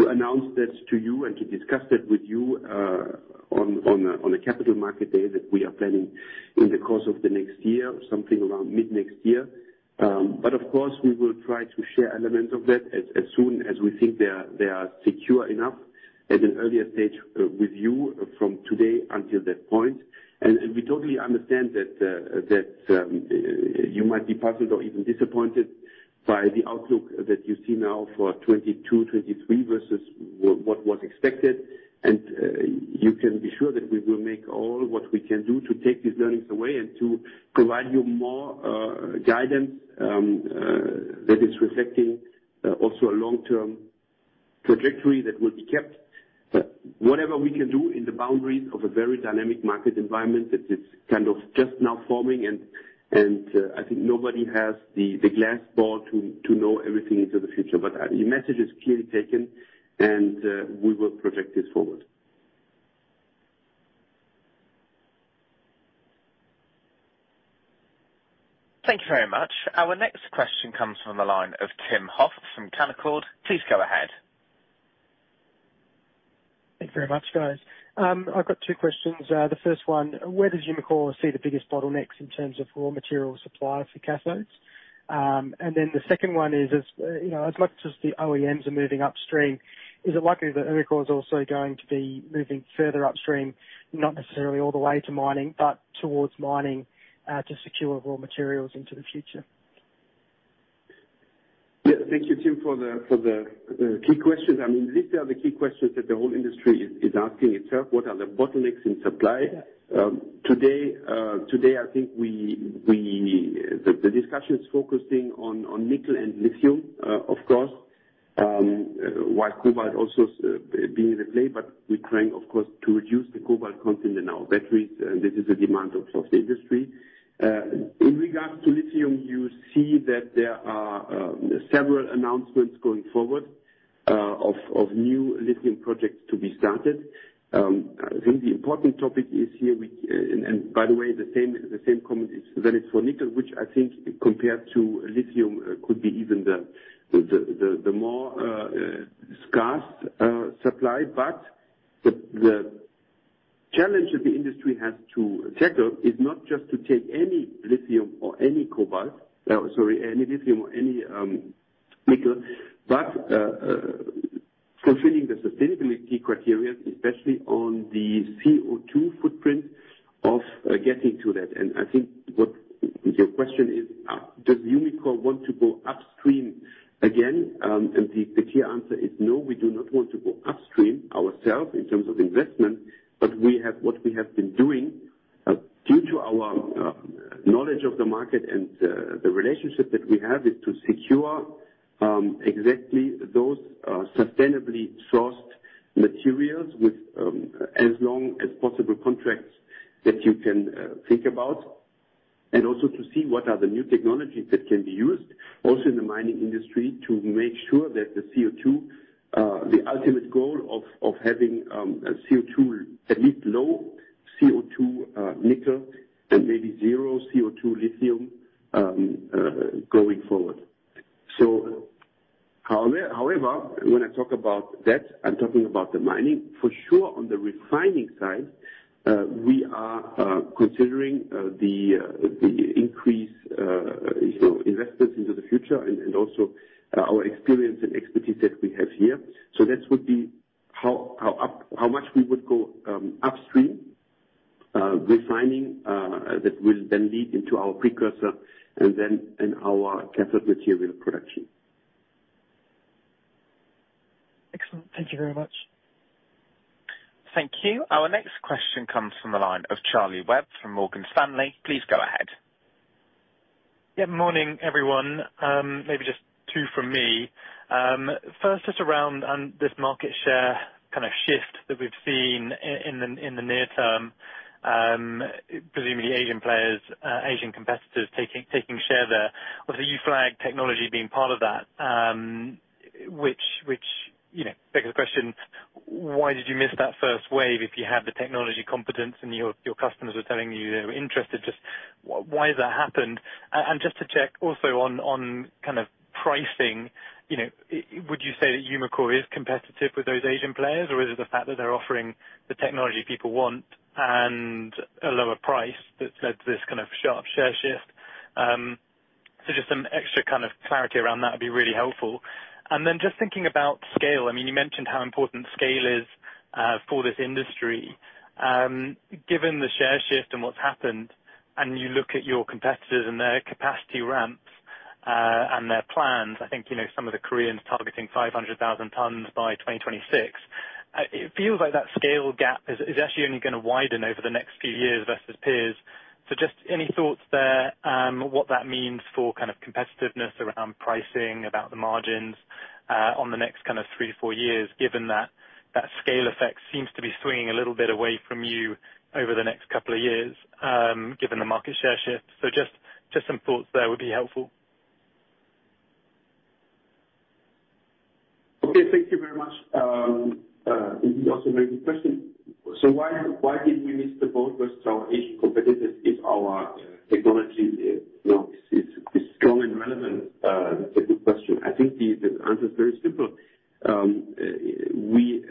announce that to you and to discuss that with you on a capital market day that we are planning in the course of the next year, something around mid-next year. Of course, we will try to share elements of that as soon as we think they are secure enough at an earlier stage with you from today until that point. We totally understand that you might be puzzled or even disappointed by the outlook that you see now for 2022, 2023 versus what was expected. You can be sure that we will make all what we can do to take these learnings away and to provide you more guidance that is reflecting also a long-term trajectory that will be kept. Whatever we can do in the boundaries of a very dynamic market environment that is kind of just now forming, and I think nobody has the glass ball to know everything into the future. Your message is clearly taken, and we will project this forward. Thank you very much. Our next question comes from the line of Tim Hoff from Canaccord. Please go ahead. Thanks very much, guys. I've got two questions. The first one, where does Umicore see the biggest bottlenecks in terms of raw material supply for cathodes? The second one is, as you know, as much as the OEMs are moving upstream, is it likely that Umicore is also going to be moving further upstream, not necessarily all the way to mining, but towards mining, to secure raw materials into the future? Yeah. Thank you, Tim, for the key questions. I mean, these are the key questions that the whole industry is asking itself. What are the bottlenecks in supply? Yeah. Today, I think the discussion is focusing on nickel and lithium, of course, while cobalt also being in the play, but we're trying of course to reduce the cobalt content in our batteries. This is a demand of the industry. In regards to lithium, you see that there are several announcements going forward of new lithium projects to be started. I think the important topic is here. By the way, the same comment is that for nickel, which I think compared to lithium could be even the more scarce supply. The challenge that the industry has to tackle is not just to take any lithium or any cobalt. Sorry, any lithium or any nickel, but fulfilling the sustainability criteria, especially on the CO₂ footprint of getting to that. I think what your question is, does Umicore want to go upstream again? The clear answer is no, we do not want to go upstream ourselves in terms of investment, but what we have been doing, due to our knowledge of the market and the relationship that we have is to secure exactly those sustainably sourced materials with as long as possible contracts that you can think about, and also to see what are the new technologies that can be used also in the mining industry to make sure that the CO₂. The ultimate goal of having CO₂-neutral, at least low CO₂ nickel and maybe zero CO₂ lithium going forward. However, when I talk about that, I'm talking about the mining. For sure, on the refining side, we are considering the increase, you know, investments into the future and also our experience and expertise that we have here. That would be how much we would go upstream refining, that will then lead into our precursor and then in our cathode material production. Excellent. Thank you very much. Thank you. Our next question comes from the line of Charlie Webb from Morgan Stanley. Please go ahead. Yeah. Morning, everyone. Maybe just two from me. First, just around this market share kind of shift that we've seen in the near term, presumably Asian players, Asian competitors taking share there. Obviously, you flagged technology being part of that, which you know begs the question, why did you miss that first wave if you had the technology competence and your customers were telling you they were interested? Just why has that happened? Just to check also on kind of pricing, you know, would you say that Umicore is competitive with those Asian players, or is it the fact that they're offering the technology people want and a lower price that's led to this kind of sharp share shift? Just some extra kind of clarity around that would be really helpful. Just thinking about scale, I mean, you mentioned how important scale is for this industry. Given the share shift and what's happened, and you look at your competitors and their capacity ramps and their plans, I think, you know, some of the Koreans targeting 500,000 tons by 2026. It feels like that scale gap is actually only gonna widen over the next few years versus peers. Just any thoughts there on what that means for kind of competitiveness around pricing, about the margins on the next kind of three, four years, given that that scale effect seems to be swinging a little bit away from you over the next couple of years, given the market share shift. Just some thoughts there would be helpful. Okay, thank you very much. This is also a very good question. Why did we miss the boat versus our Asian competitors if our technology is, you know, strong and relevant? That's a good question. I think the answer is very simple. We,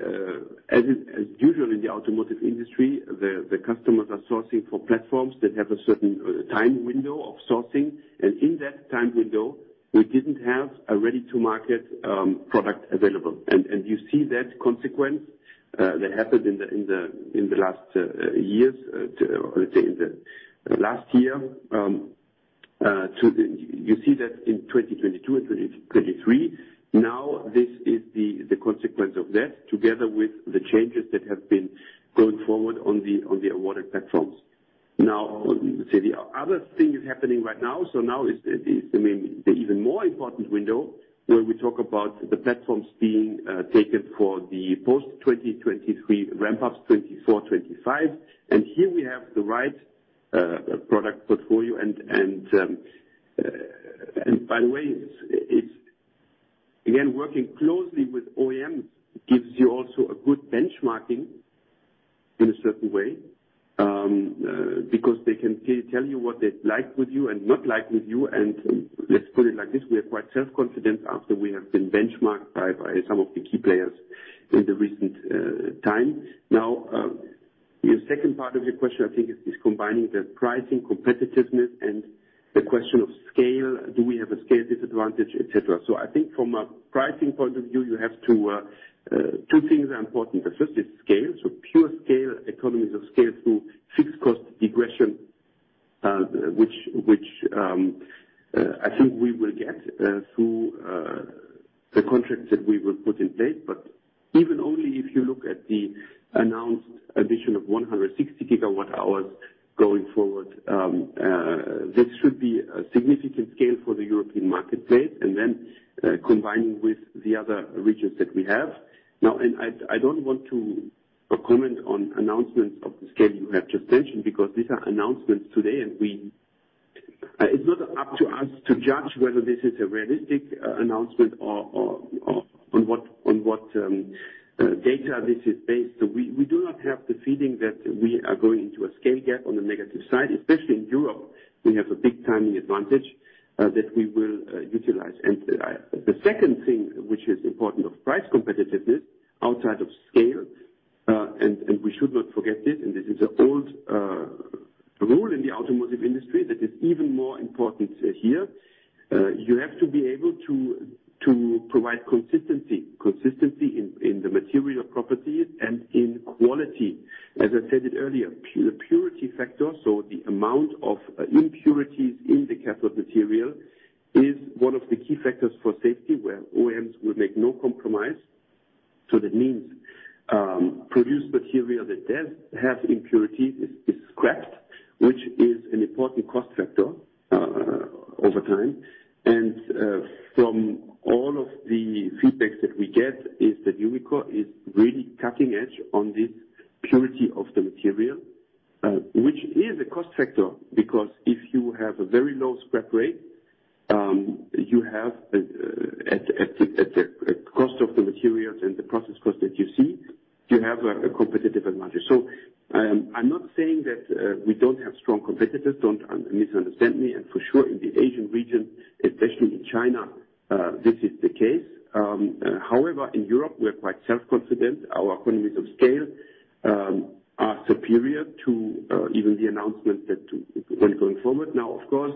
as is usual in the automotive industry, the customers are sourcing for platforms that have a certain time window of sourcing. In that time window, we didn't have a ready-to-market product available. You see that consequence that happened in the last years, let's say in the last year. You see that in 2022 and 2023. Now, this is the consequence of that, together with the changes that have been going forward on the awarded platforms. Now, the other thing is happening right now, so now is, I mean, the even more important window where we talk about the platforms being taken for the post-2023 ramp-ups 2024, 2025. Here we have the right product portfolio. By the way, it's again working closely with OEMs gives you also a good benchmarking in a certain way, because they can tell you what they like with you and not like with you. Let's put it like this. We are quite self-confident after we have been benchmarked by some of the key players in the recent time. Now, your second part of your question, I think, is combining the pricing competitiveness and the question of scale. Do we have a scale disadvantage, et cetera? I think from a pricing point of view, you have to. Two things are important. The first is scale, so pure scale, economies of scale through fixed cost regression, which I think we will get through the contracts that we will put in place. Even only if you look at the announced addition of 160 GWh going forward, this should be a significant scale for the European marketplace and then combining with the other regions that we have. Now, I don't want to comment on announcements of the scale you have just mentioned, because these are announcements today, and we. It's not up to us to judge whether this is a realistic announcement or on what data this is based. We do not have the feeling that we are going into a scale gap on the negative side. Especially in Europe, we have a big timing advantage that we will utilize. The second thing which is important is price competitiveness outside of scale, and we should not forget this, and this is an old rule in the automotive industry that is even more important here. You have to be able to provide consistency in the material properties and in quality. As I said it earlier, purity factor, so the amount of impurities in the cathode material, is one of the key factors for safety, where OEMs will make no compromise. That means, produced material that does have impurities is scrapped, which is an important cost factor over time. From all of the feedbacks that we get is that Umicore is really cutting edge on this purity of the material, which is a cost factor. Because if you have a very low scrap rate, you have at the cost of the materials and the process cost that you see, you have a competitive advantage. I'm not saying that we don't have strong competitors. Don't misunderstand me. For sure, in the Asian region, especially in China, this is the case. However, in Europe, we're quite self-confident. Our economies of scale are superior to even the announcement when going forward. Now, of course,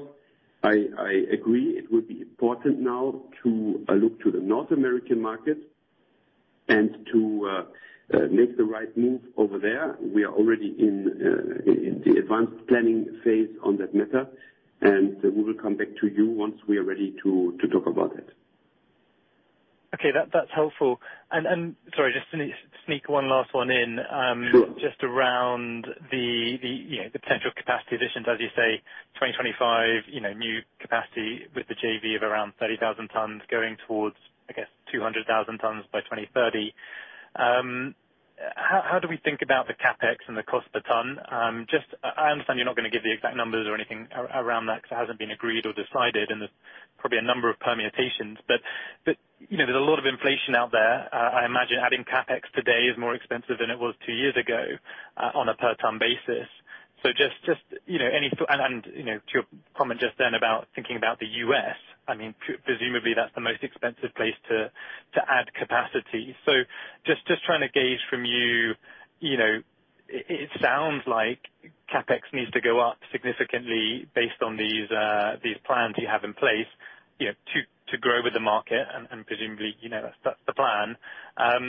I agree it would be important now to look to the North American market and to make the right move over there. We are already in the advanced planning phase on that matter, and we will come back to you once we are ready to talk about it. Okay, that's helpful. Sorry, just to sneak one last one in. Sure. Just around the you know, the potential capacity additions. As you say, 2025, you know, new capacity with the JV of around 30,000 tons going towards, I guess, 200,000 tons by 2030. How do we think about the CapEx and the cost per ton? I understand you're not gonna give the exact numbers or anything around that because it hasn't been agreed or decided, and there's probably a number of permutations. You know, there's a lot of inflation out there. I imagine adding CapEx today is more expensive than it was two years ago on a per ton basis. You know, just any to your comment just then about thinking about the U.S., I mean, presumably that's the most expensive place to add capacity. Just trying to gauge from you know, it sounds like CapEx needs to go up significantly based on these plans you have in place, you know, to grow with the market. Presumably, you know, that's the plan. How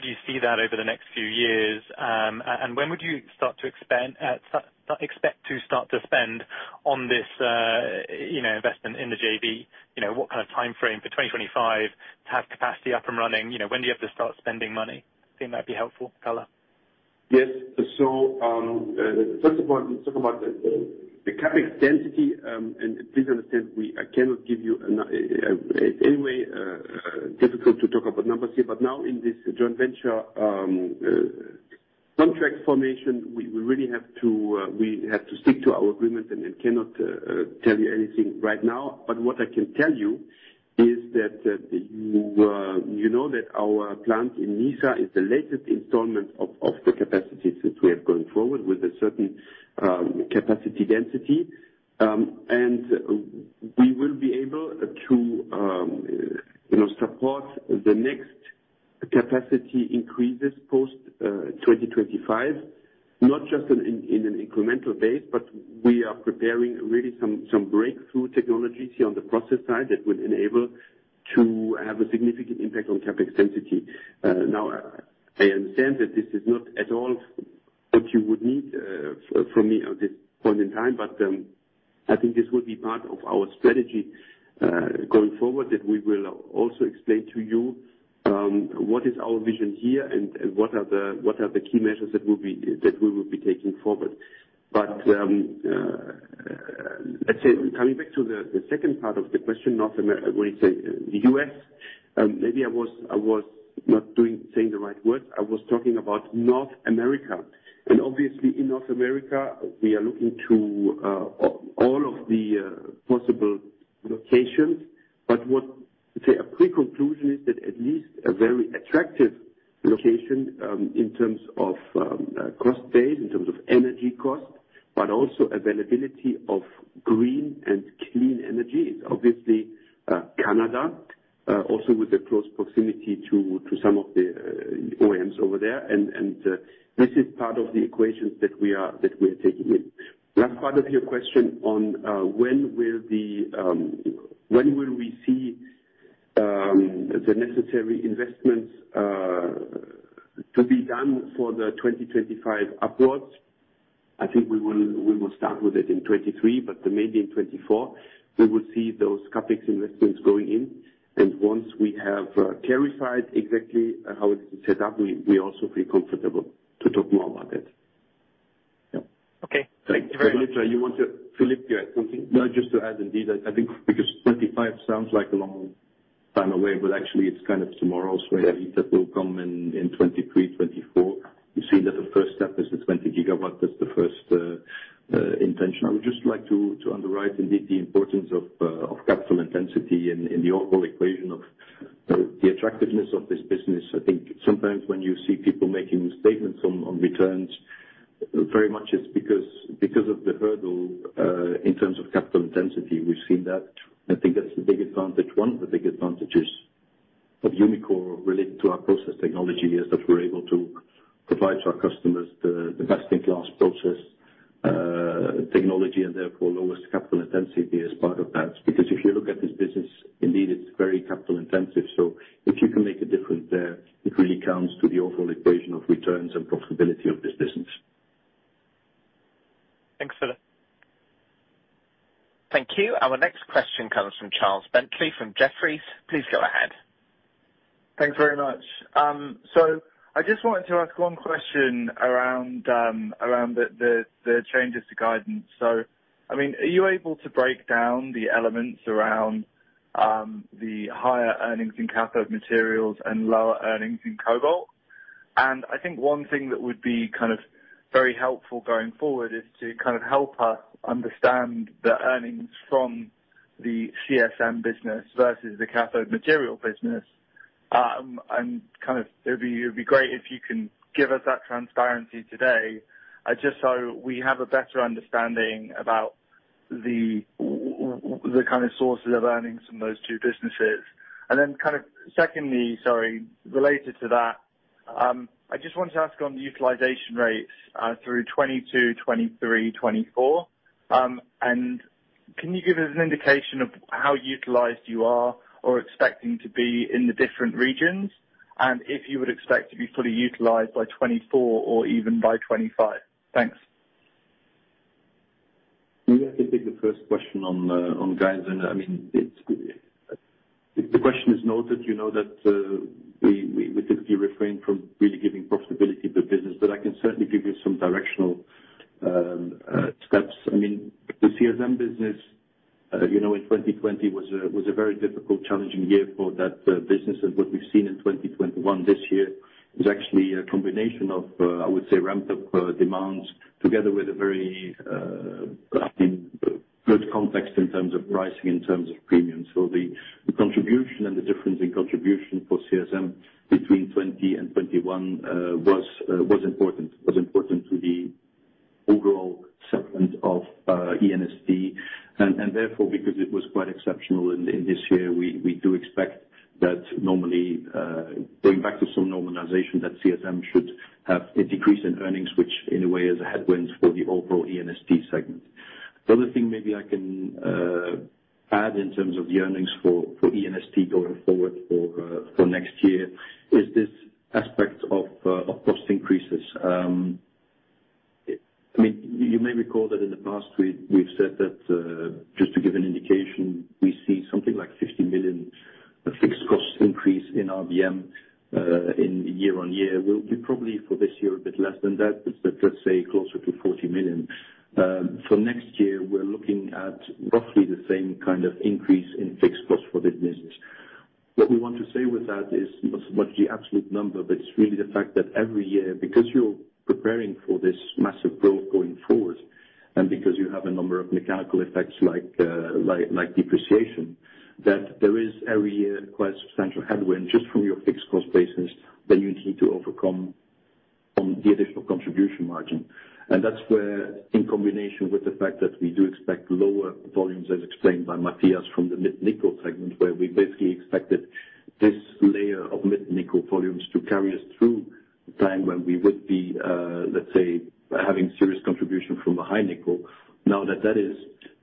do you see that over the next few years? When would you expect to start to spend on this, you know, investment in the JV? You know, what kind of timeframe for 2025 to have capacity up and running? You know, when do you have to start spending money? I think that'd be helpful, Heller. Yes. First of all, let's talk about the CapEx density. Please understand, I cannot give you. It's anyway difficult to talk about numbers here. Now in this joint venture contract formation, we really have to stick to our agreement and I cannot tell you anything right now. What I can tell you is that you know that our plant in Nysa is the latest installment of the capacity since we have going forward with a certain capacity density. We will be able to you know support the next capacity increases post 2025. Not just in an incremental base, but we are preparing really some breakthrough technologies here on the process side that would enable to have a significant impact on CapEx density. Now, I understand that this is not at all what you would need from me at this point in time. I think this will be part of our strategy going forward, that we will also explain to you what is our vision here and what are the key measures that we will be taking forward. Let's say coming back to the second part of the question. When you say the U.S., maybe I was not saying the right words. I was talking about North America. Obviously in North America we are looking to all of the possible locations. But a pre-conclusion is that at least a very attractive location in terms of cost base, in terms of energy cost, but also availability of green and clean energy, is obviously Canada, also with a close proximity to some of the OEMs over there. This is part of the equations that we are taking in. Last part of your question on when will we see the necessary investments to be done for 2025 upwards? I think we will start with it in 2023, but maybe in 2024 we will see those CapEx investments going in. Once we have clarified exactly how it is set up, we also feel comfortable to talk more about it. Yeah. Okay. Thank you very much. Filip, you had something? No, just to add indeed, I think because 2025 sounds like a long time away, but actually it's kind of tomorrow. I believe that will come in 2023, 2024. You see that the first step is the 20 GW. That's the first intention. I would just like to underwrite indeed the importance of capital intensity in the overall equation of the attractiveness of this business. I think sometimes when you see people making statements on returns, very much it's because of the hurdle in terms of capital intensity. We've seen that. I think that's the big advantage. One of the big advantages of Umicore related to our process technology is that we're able to provide to our customers the best-in-class process technology and therefore lowest capital intensity as part of that. Because if you look at this business, indeed it's very capital intensive. If you can make a difference there, it really comes to the overall equation of returns and profitability of this business. Thanks, Filip. Thank you. Our next question comes from Charles Bentley from Jefferies. Please go ahead. Thanks very much. I just wanted to ask one question around the changes to guidance. I mean, are you able to break down the elements around the higher earnings in cathode materials and lower earnings in cobalt? I think one thing that would be kind of very helpful going forward is to kind of help us understand the earnings from the CSM business versus the cathode material business. It'd be great if you can give us that transparency today, just so we have a better understanding about the kind of sources of earnings from those two businesses. Secondly, sorry, related to that, I just wanted to ask on the utilization rates through 2022, 2023, 2024. Can you give us an indication of how utilized you are or expecting to be in the different regions, and if you would expect to be fully utilized by 2024 or even by 2025? Thanks. Maybe I can take the first question on guidance. I mean, it's the question is noted, you know that we typically refrain from really giving profitability per business, but I can certainly give you some directional steps. I mean, the CSM business, you know, in 2020 was a very difficult challenging year for that business. What we've seen in 2021 this year is actually a combination of I would say, ramped up demands together with a very I think good context in terms of pricing, in terms of premiums. The contribution and the difference in contribution for CSM between 2020 and 2021 was important to the overall segment of E&ST. Therefore, because it was quite exceptional in this year, we do expect that normally, going back to some normalization that CSM should have a decrease in earnings, which in a way is a headwind for the overall E&ST segment. The other thing maybe I can add in terms of the earnings for E&ST going forward for next year is this aspect of cost increases. I mean, you may recall that in the past we've said that just to give an indication, we see something like 50 million of fixed cost increase in RBM in year-on-year. We'll be probably for this year a bit less than that, but let's say closer to 40 million. For next year, we're looking at roughly the same kind of increase in fixed cost for the business. What we want to say with that is not so much the absolute number, but it's really the fact that every year, because you're preparing for this massive growth going forward, and because you have a number of mechanical effects like depreciation, that there is every year quite a substantial headwind just from your fixed cost basis that you need to overcome on the additional contribution margin. That's where in combination with the fact that we do expect lower volumes, as explained by Mathias from the mid nickel segment, where we basically expected this layer of mid nickel volumes to carry us through the time when we would be, let's say, having serious contribution from a high nickel. Now that is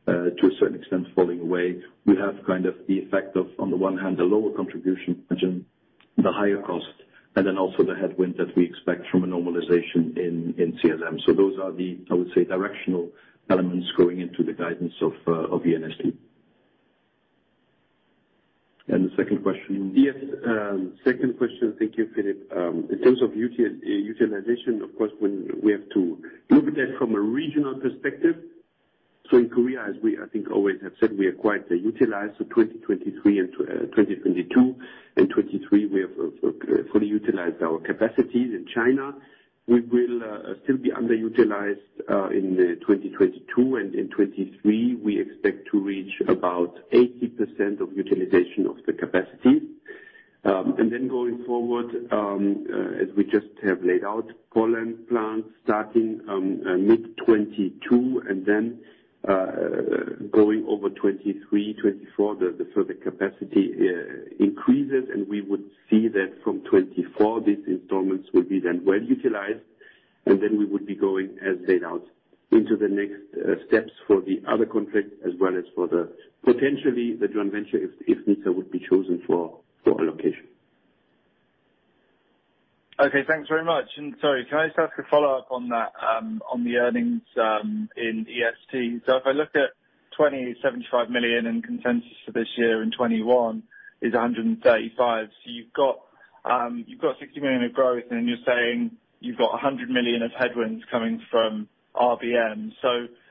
to a certain extent falling away, we have kind of the effect of, on the one hand, the lower contribution margin, the higher cost, and then also the headwind that we expect from a normalization in CSM. Those are the, I would say, directional elements going into the guidance of E&ST. The second question? Yes, second question. Thank you, Filip. In terms of utilization, of course, when we have to look at that from a regional perspective. In Korea, as we, I think, always have said, we are quite utilized. In 2022 and 2023, we have fully utilized our capacities. In China, we will still be underutilized in 2022, and in 2023, we expect to reach about 80% of utilization of the capacity. Going forward, as we just have laid out, Poland plant starting mid-2022 and then going over 2023, 2024, the further capacity increases, and we would see that from 2024 these installments will be then well utilized, and we would be going as laid out into the next steps for the other contracts as well as for the potentially the joint venture if Nysa would be chosen for allocation. Okay. Thanks very much. Sorry, can I just ask a follow-up on that, on the earnings, in E&ST? If I look at 275 million in consensus for this year and 2021 is 135 million, so you've got 60 million of growth, and you're saying you've got 100 million of headwinds coming from RBM.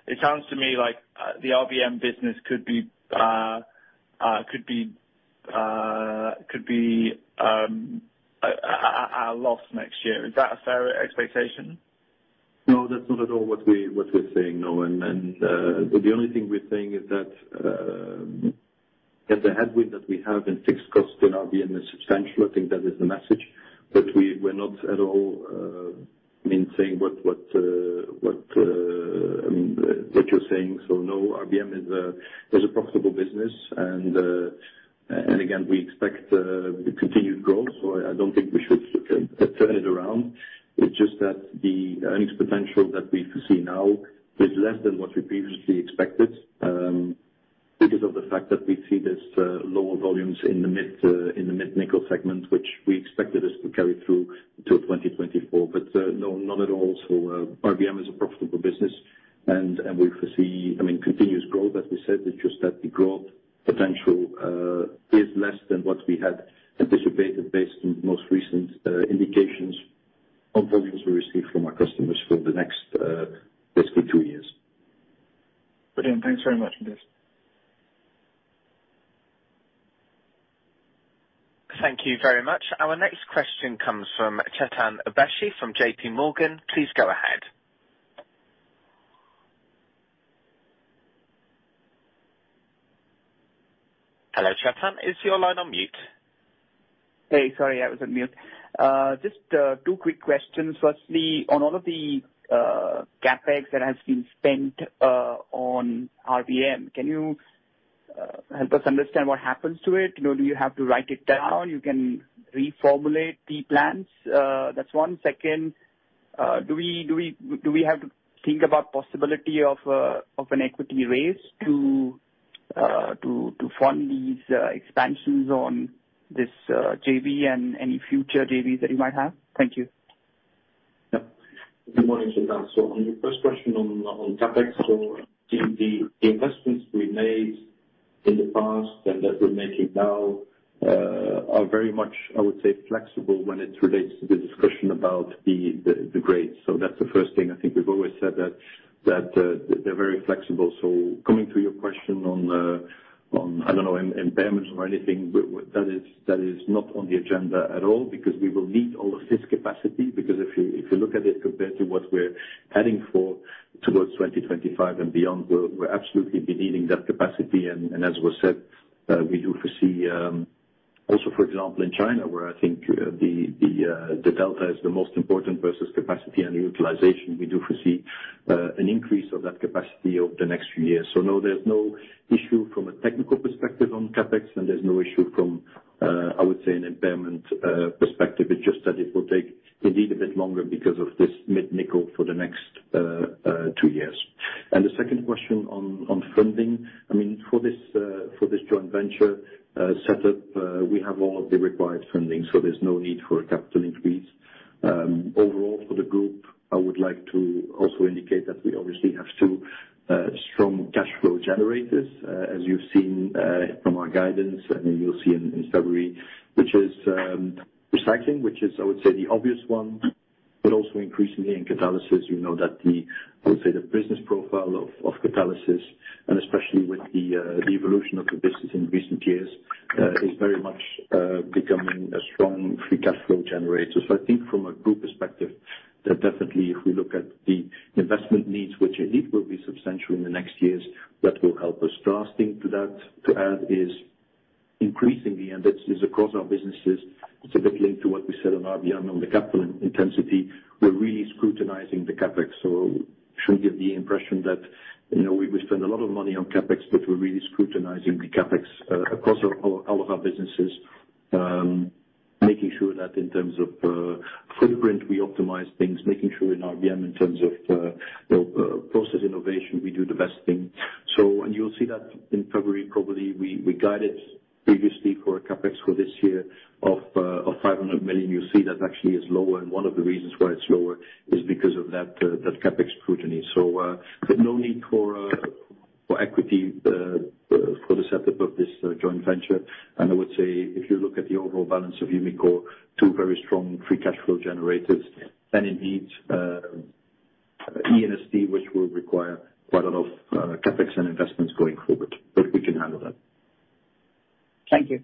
It sounds to me like the RBM business could be a loss next year. Is that a fair expectation? No, that's not at all what we're saying. No. The only thing we're saying is that the headwind that we have in fixed costs in RBM is substantial. I think that is the message. We're not at all, I mean, saying what you're saying. No, RBM is a profitable business and again, we expect the continued growth, so I don't think we should turn it around. It's just that the earnings potential that we foresee now is less than what we previously expected. Because of the fact that we see this lower volumes in the mid nickel segment, which we expected this to carry through to 2024. No, not at all. RBM is a profitable business, and we foresee, I mean, continuous growth, as we said. It's just that the growth potential is less than what we had anticipated based on most recent indications on volumes we received from our customers for the next basically two years. Brilliant. Thanks very much, Filip. Thank you very much. Our next question comes from Chetan Udeshi from J.P. Morgan. Please go ahead. Hello, Chetan. Is your line on mute? Hey, sorry, I was on mute. Just two quick questions. Firstly, on all of the CapEx that has been spent on RBM, can you help us understand what happens to it? You know, do you have to write it down? You can reformulate the plans? That's one. Second, do we have to think about possibility of an equity raise to fund these expansions on this JV and any future JVs that you might have? Thank you. Good morning, Chetan. On your first question on CapEx, the investments we made in the past and that we're making now are very much, I would say, flexible when it relates to the discussion about the grades. That's the first thing. I think we've always said that they're very flexible. Coming to your question on, I don't know, impairment or anything. That is not on the agenda at all because we will need all of this capacity. Because if you look at it compared to what we're heading for towards 2025 and beyond, we'll absolutely be needing that capacity. As was said, we do foresee also, for example, in China, where I think the delta is the most important versus capacity and utilization. We do foresee an increase of that capacity over the next few years. No, there's no issue from a technical perspective on CapEx, and there's no issue from I would say an impairment perspective. It's just that it will take indeed a bit longer because of this high nickel for the next two years. The second question on funding, I mean, for this joint venture setup, we have all of the required funding, so there's no need for a capital increase. Overall for the group, I would like to also indicate that we obviously have two strong cash flow generators, as you've seen, from our guidance and you'll see in February. Which is recycling, which is, I would say, the obvious one, but also increasingly in catalysis. You know that the business profile of catalysis, and especially with the evolution of the business in recent years, is very much becoming a strong free cash flow generator. So I think from a group perspective that definitely if we look at the investment needs, which indeed will be substantial in the next years, that will help us. The last thing to add is increasingly, and it's across our businesses, it's a bit linked to what we said on RBM on the capital intensity. We're really scrutinizing the CapEx. We shouldn't give the impression that we spend a lot of money on CapEx, but we're really scrutinizing the CapEx across all of our businesses. Making sure that in terms of footprint, we optimize things, making sure in RBM in terms of process innovation, we do the best thing. You'll see that in February probably. We guided previously for a CapEx for this year of 500 million. You'll see that actually is lower, and one of the reasons why it's lower is because of that CapEx scrutiny. There's no need for equity for the setup of this joint venture. I would say if you look at the overall balance of Umicore, two very strong free cash flow generators, then indeed, E&ST which will require quite a lot of CapEx and investments going forward, but we can handle that. Thank you.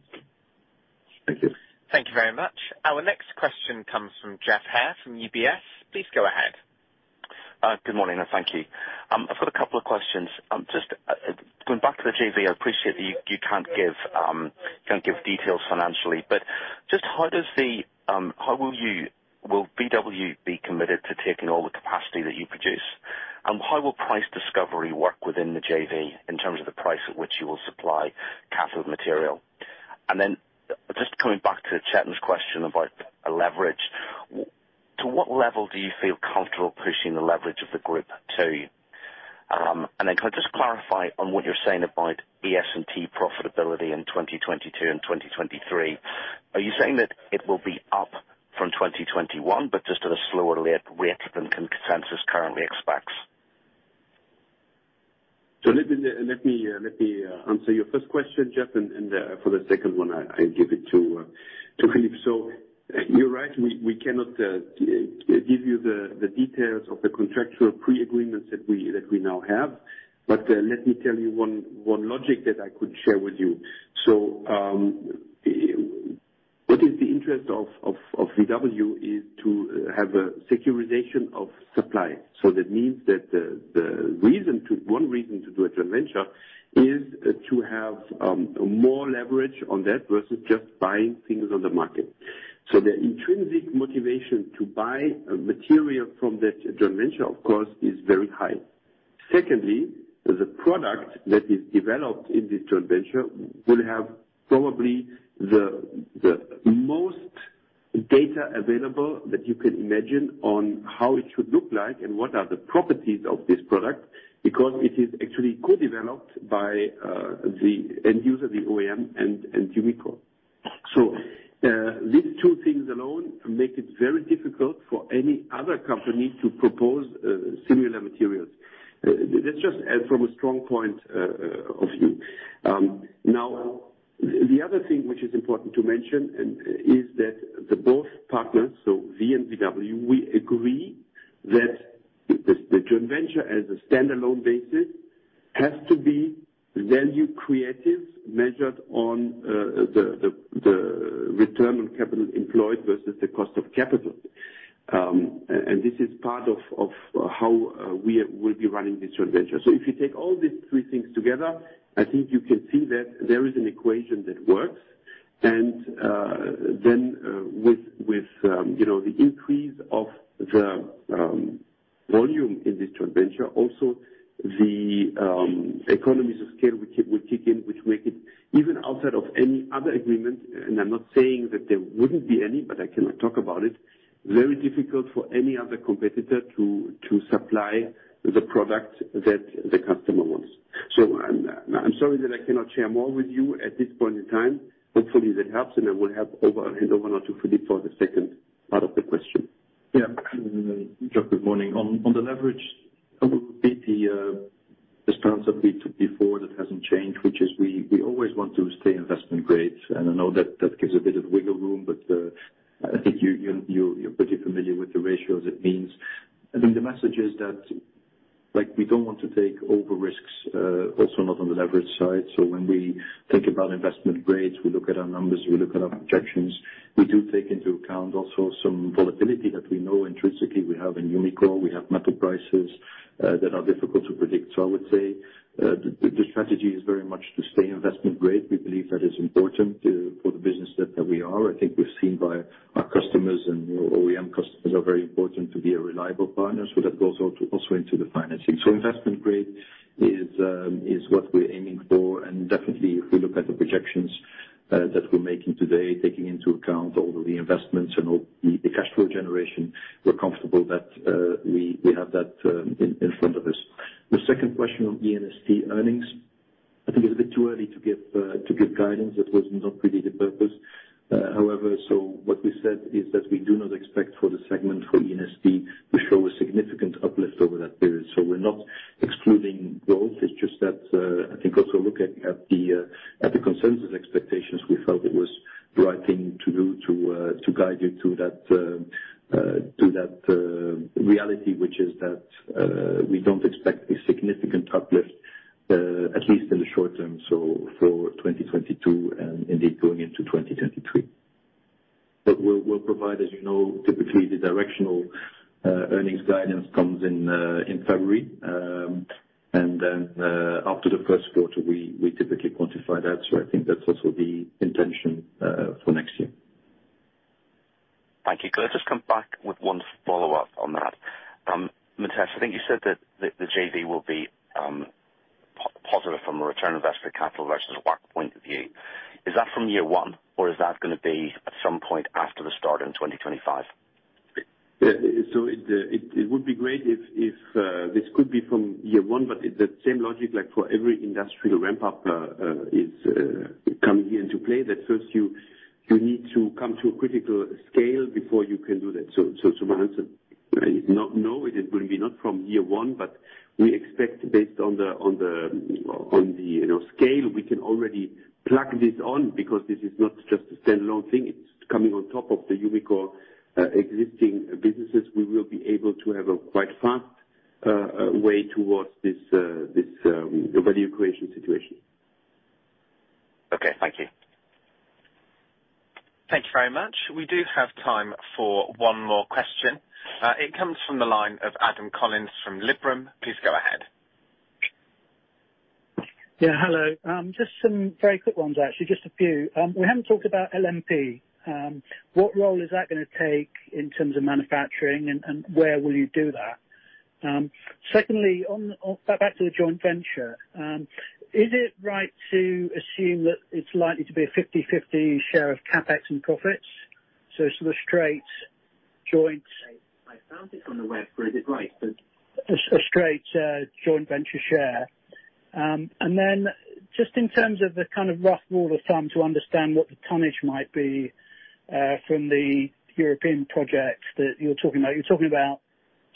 Thank you. Thank you very much. Our next question comes from Geoff Haire from UBS. Please go ahead. Good morning, thank you. I've got a couple of questions. Just going back to the JV, I appreciate that you can't give details financially, but just how will you... Will VW be committed to taking all the capacity that you produce? And how will price discovery work within the JV in terms of the price at which you will supply cathode material? And then just coming back to Chetan's question about leverage. To what level do you feel comfortable pushing the leverage of the group to? And then can I just clarify on what you're saying about E&ST profitability in 2022 and 2023? Are you saying that it will be up from 2021 but just at a slower rate than consensus currently expects? Let me answer your first question, Geoff, and for the second one, I give it to Filip. You're right. We cannot give you the details of the contractual pre-agreements that we now have. But let me tell you one logic that I could share with you. What is the interest of VW is to have a securitization of supply. That means that one reason to do a joint venture is to have more leverage on that versus just buying things on the market. The intrinsic motivation to buy a material from that joint venture of course is very high. Secondly, the product that is developed in this joint venture will have probably the most- Data available that you can imagine on how it should look like and what are the properties of this product, because it is actually co-developed by the end user, the OEM and Umicore. These two things alone make it very difficult for any other company to propose similar materials. That's just from a strong point of view. Now, the other thing which is important to mention is that both partners, so we and VW, agree that the joint venture as a standalone basis has to be value creative, measured on the return on capital employed versus the cost of capital. And this is part of how we will be running this joint venture. If you take all these three things together, I think you can see that there is an equation that works. Then, with you know, the increase of the volume in this joint venture, also the economies of scale which will kick in, which make it even outside of any other agreement, and I'm not saying that there wouldn't be any, but I cannot talk about it, very difficult for any other competitor to supply the product that the customer wants. I'm sorry that I cannot share more with you at this point in time. Hopefully, that helps. I will hand over now to Filip for the second part of the question. Yeah. Geoff, good morning. On the leverage, I will repeat the response that we took before. That hasn't changed, which is we always want to stay investment grade. I know that gives a bit of wiggle room. I think you're pretty familiar with the ratios it means. I think the message is that, like, we don't want to take on risks, also not on the leverage side. When we think about investment grades, we look at our numbers, we look at our projections. We do take into account also some volatility that we know intrinsically we have in Umicore. We have metal prices that are difficult to predict. I would say the strategy is very much to stay investment grade. We believe that is important for the business that we are. I think we're seen by our customers, and OEM customers are very important to be a reliable partner, so that goes also into the financing. Investment grade is what we're aiming for. Definitely, if we look at the projections that we're making today, taking into account all of the investments and all the cash flow generation, we're comfortable that we have that in front of us. The second question on E&ST earnings, I think it's a bit too early to give guidance. That was not really the purpose. However, what we said is that we do not expect for the segment for E&ST to show a significant uplift over that period. We're not excluding growth. It's just that I think also look at the consensus expectations. We felt it was the right thing to do to guide you to that reality, which is that we don't expect a significant uplift at least in the short term, so for 2022 and indeed going into 2023. We'll provide, as you know, typically the directional earnings guidance comes in in February. After the first quarter, we typically quantify that. I think that's also the intention for next year. Thank you. Can I just come back with one follow-up on that? Mathias, I think you said that the JV will be positive from a return on invested capital versus WACC point of view. Is that from year one or is that gonna be at some point after the start in 2025? It would be great if this could be from year one, but it's the same logic like for every industrial ramp-up is coming into play that first you need to come to a critical scale before you can do that. My answer is not no, it will be not from year one, but we expect based on the you know scale, we can already plug this on because this is not just a standalone thing. It's coming on top of the Umicore existing businesses. We will be able to have a quite fast way towards this value creation situation. Okay. Thank you. Thank you very much. We do have time for one more question. It comes from the line of Adam Collins from Liberum. Please go ahead. Yeah, hello. Just some very quick ones, actually, just a few. We haven't talked about LNMO. What role is that gonna take in terms of manufacturing and where will you do that? Secondly, on back to the joint venture, is it right to assume that it's likely to be a 50/50 share of CapEx and profits? So sort of a straight joint venture share. And then just in terms of the kind of rough rule of thumb to understand what the tonnage might be from the European projects that you're talking about. You're talking about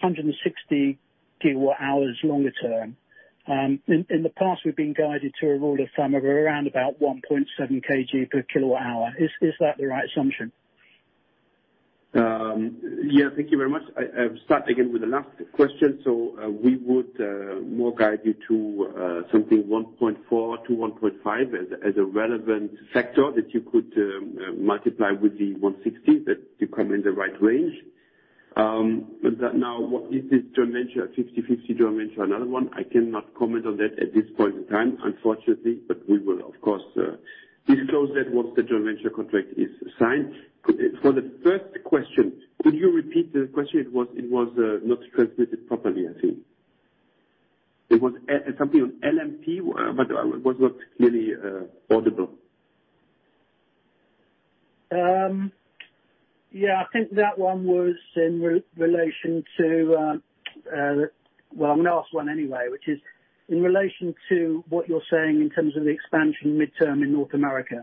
160 GWh longer term. In the past, we've been guided to a rule of thumb of around about 1.7 KG per kilowatt hour. Is that the right assumption? Yeah. Thank you very much. I'll start again with the last question. We would more guide you to 1.4-1.5 as a relevant factor that you could multiply with the 160, that you come in the right range. But now what is this joint venture a 50/50 joint venture, another one? I cannot comment on that at this point in time, unfortunately, but we will of course disclose that once the joint venture contract is signed. For the first question, could you repeat the question? It was not transmitted properly, I think. It was something with LNMO, but it was not clearly audible. Yeah, I think that one was in relation to what you're saying in terms of the expansion midterm in North America,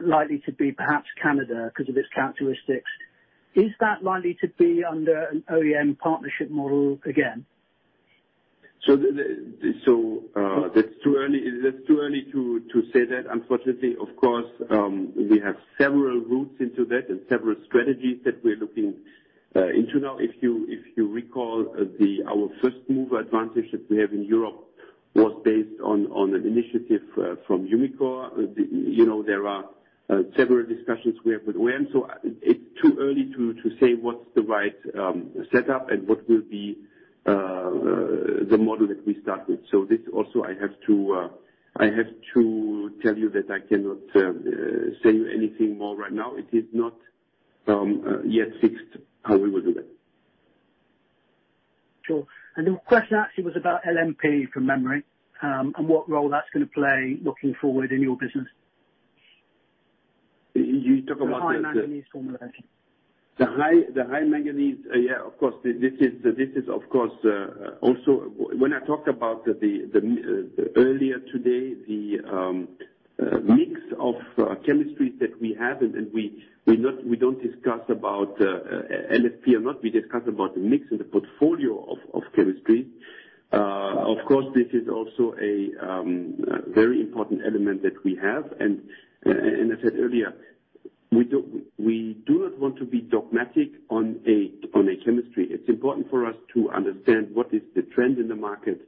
likely to be perhaps Canada because of its characteristics. Is that likely to be under an OEM partnership model again? That's too early. It's too early to say that, unfortunately. Of course, we have several routes into that and several strategies that we're looking into now. If you recall, our first mover advantage that we have in Europe was based on an initiative from Umicore. You know, there are several discussions we have with OEM, so it's too early to say what's the right setup and what will be the model that we start with. This also I have to tell you that I cannot sell you anything more right now. It is not yet fixed how we will do that. Sure. The question actually was about LNMO from memory, and what role that's gonna play looking forward in your business. You talk about the- The high manganese formulation. The high manganese, of course. This is of course also when I talked about the mix of chemistries that we have earlier today, and we don't discuss about LNMO or not. We discuss about the mix and the portfolio of chemistry. Of course, this is also a very important element that we have. I said earlier, we do not want to be dogmatic on a chemistry. It's important for us to understand what is the trend in the market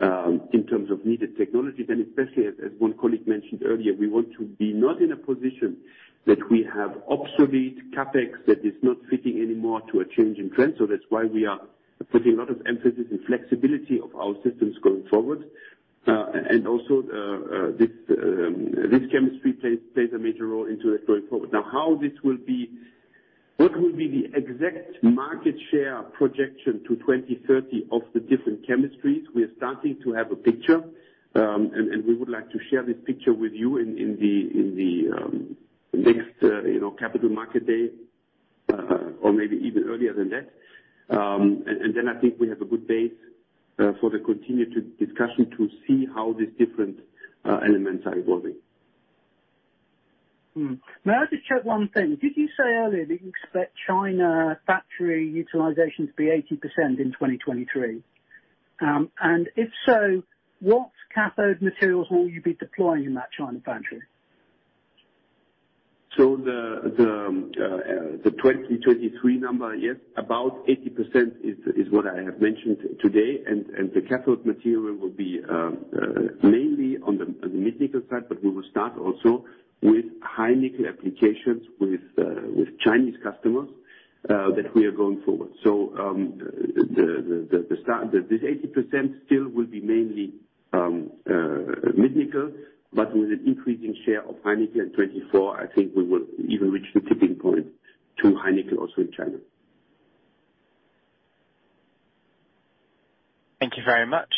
in terms of needed technologies. Especially as one colleague mentioned earlier, we want to be not in a position that we have obsolete CapEx that is not fitting anymore to a change in trend. That's why we are putting a lot of emphasis in flexibility of our systems going forward. This chemistry plays a major role into it going forward. What will be the exact market share projection to 2030 of the different chemistries, we are starting to have a picture. We would like to share this picture with you in the next Capital Markets Day, you know, or maybe even earlier than that. I think we have a good base for the continued discussion to see how these different elements are evolving. May I just check one thing? Did you say earlier that you expect China factory utilization to be 80% in 2023? If so, what cathode materials will you be deploying in that China factory? The 2023 number, yes, about 80% is what I have mentioned today. The cathode material will be mainly on the mid nickel side, but we will start also with high nickel applications with Chinese customers that we are going forward. This 80% still will be mainly mid nickel, but with an increasing share of high nickel. In 2024, I think we will even reach the tipping point to high nickel also in China. Thank you very much.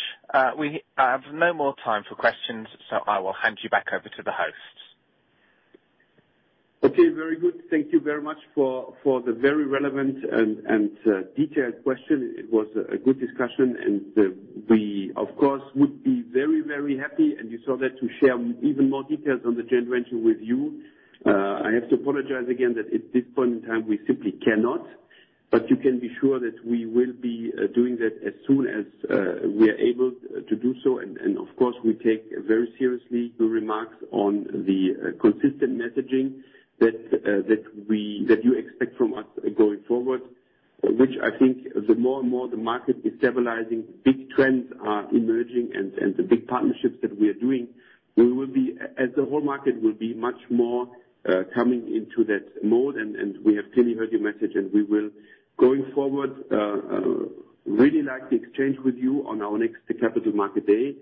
We have no more time for questions, so I will hand you back over to the host. Okay, very good. Thank you very much for the very relevant and detailed question. It was a good discussion and we of course would be very, very happy, and you saw that, to share even more details on the joint venture with you. I have to apologize again that at this point in time we simply cannot, but you can be sure that we will be doing that as soon as we are able to do so. Of course we take very seriously your remarks on the consistent messaging that you expect from us going forward, which I think the more and more the market is stabilizing, big trends are emerging and the big partnerships that we are doing, we will be, as a whole market will be much more coming into that mode, and we have clearly heard your message. We will, going forward, really like to exchange with you on our next capital market day,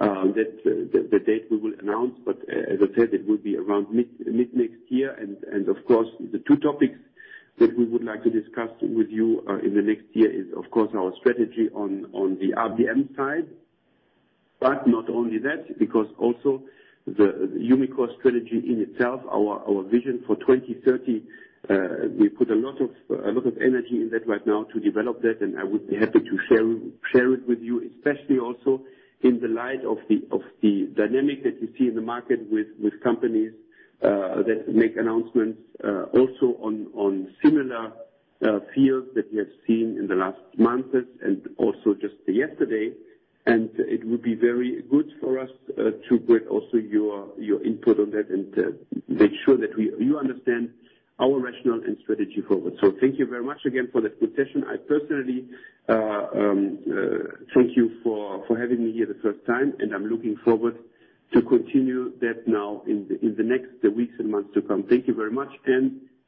that the date we will announce, but as I said, it will be around mid next year. Of course, the two topics that we would like to discuss with you in the next year is of course, our strategy on the RBM side. Not only that, because also the Umicore strategy in itself, our vision for 2030, we put a lot of energy in that right now to develop that, and I would be happy to share it with you. Especially also in the light of the dynamic that you see in the market with companies that make announcements also on similar fields that we have seen in the last months and also just yesterday. It would be very good for us to get also your input on that and make sure that you understand our rationale and strategy forward. Thank you very much again for that good session. I personally thank you for having me here the first time, and I'm looking forward to continue that now in the next weeks and months to come. Thank you very much.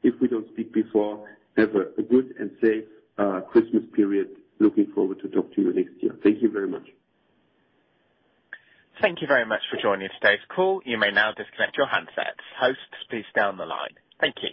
If we don't speak before, have a good and safe Christmas period. Looking forward to talk to you next year. Thank you very much. Thank you very much for joining today's call. You may now disconnect your handsets. Hosts, please stay on the line. Thank you.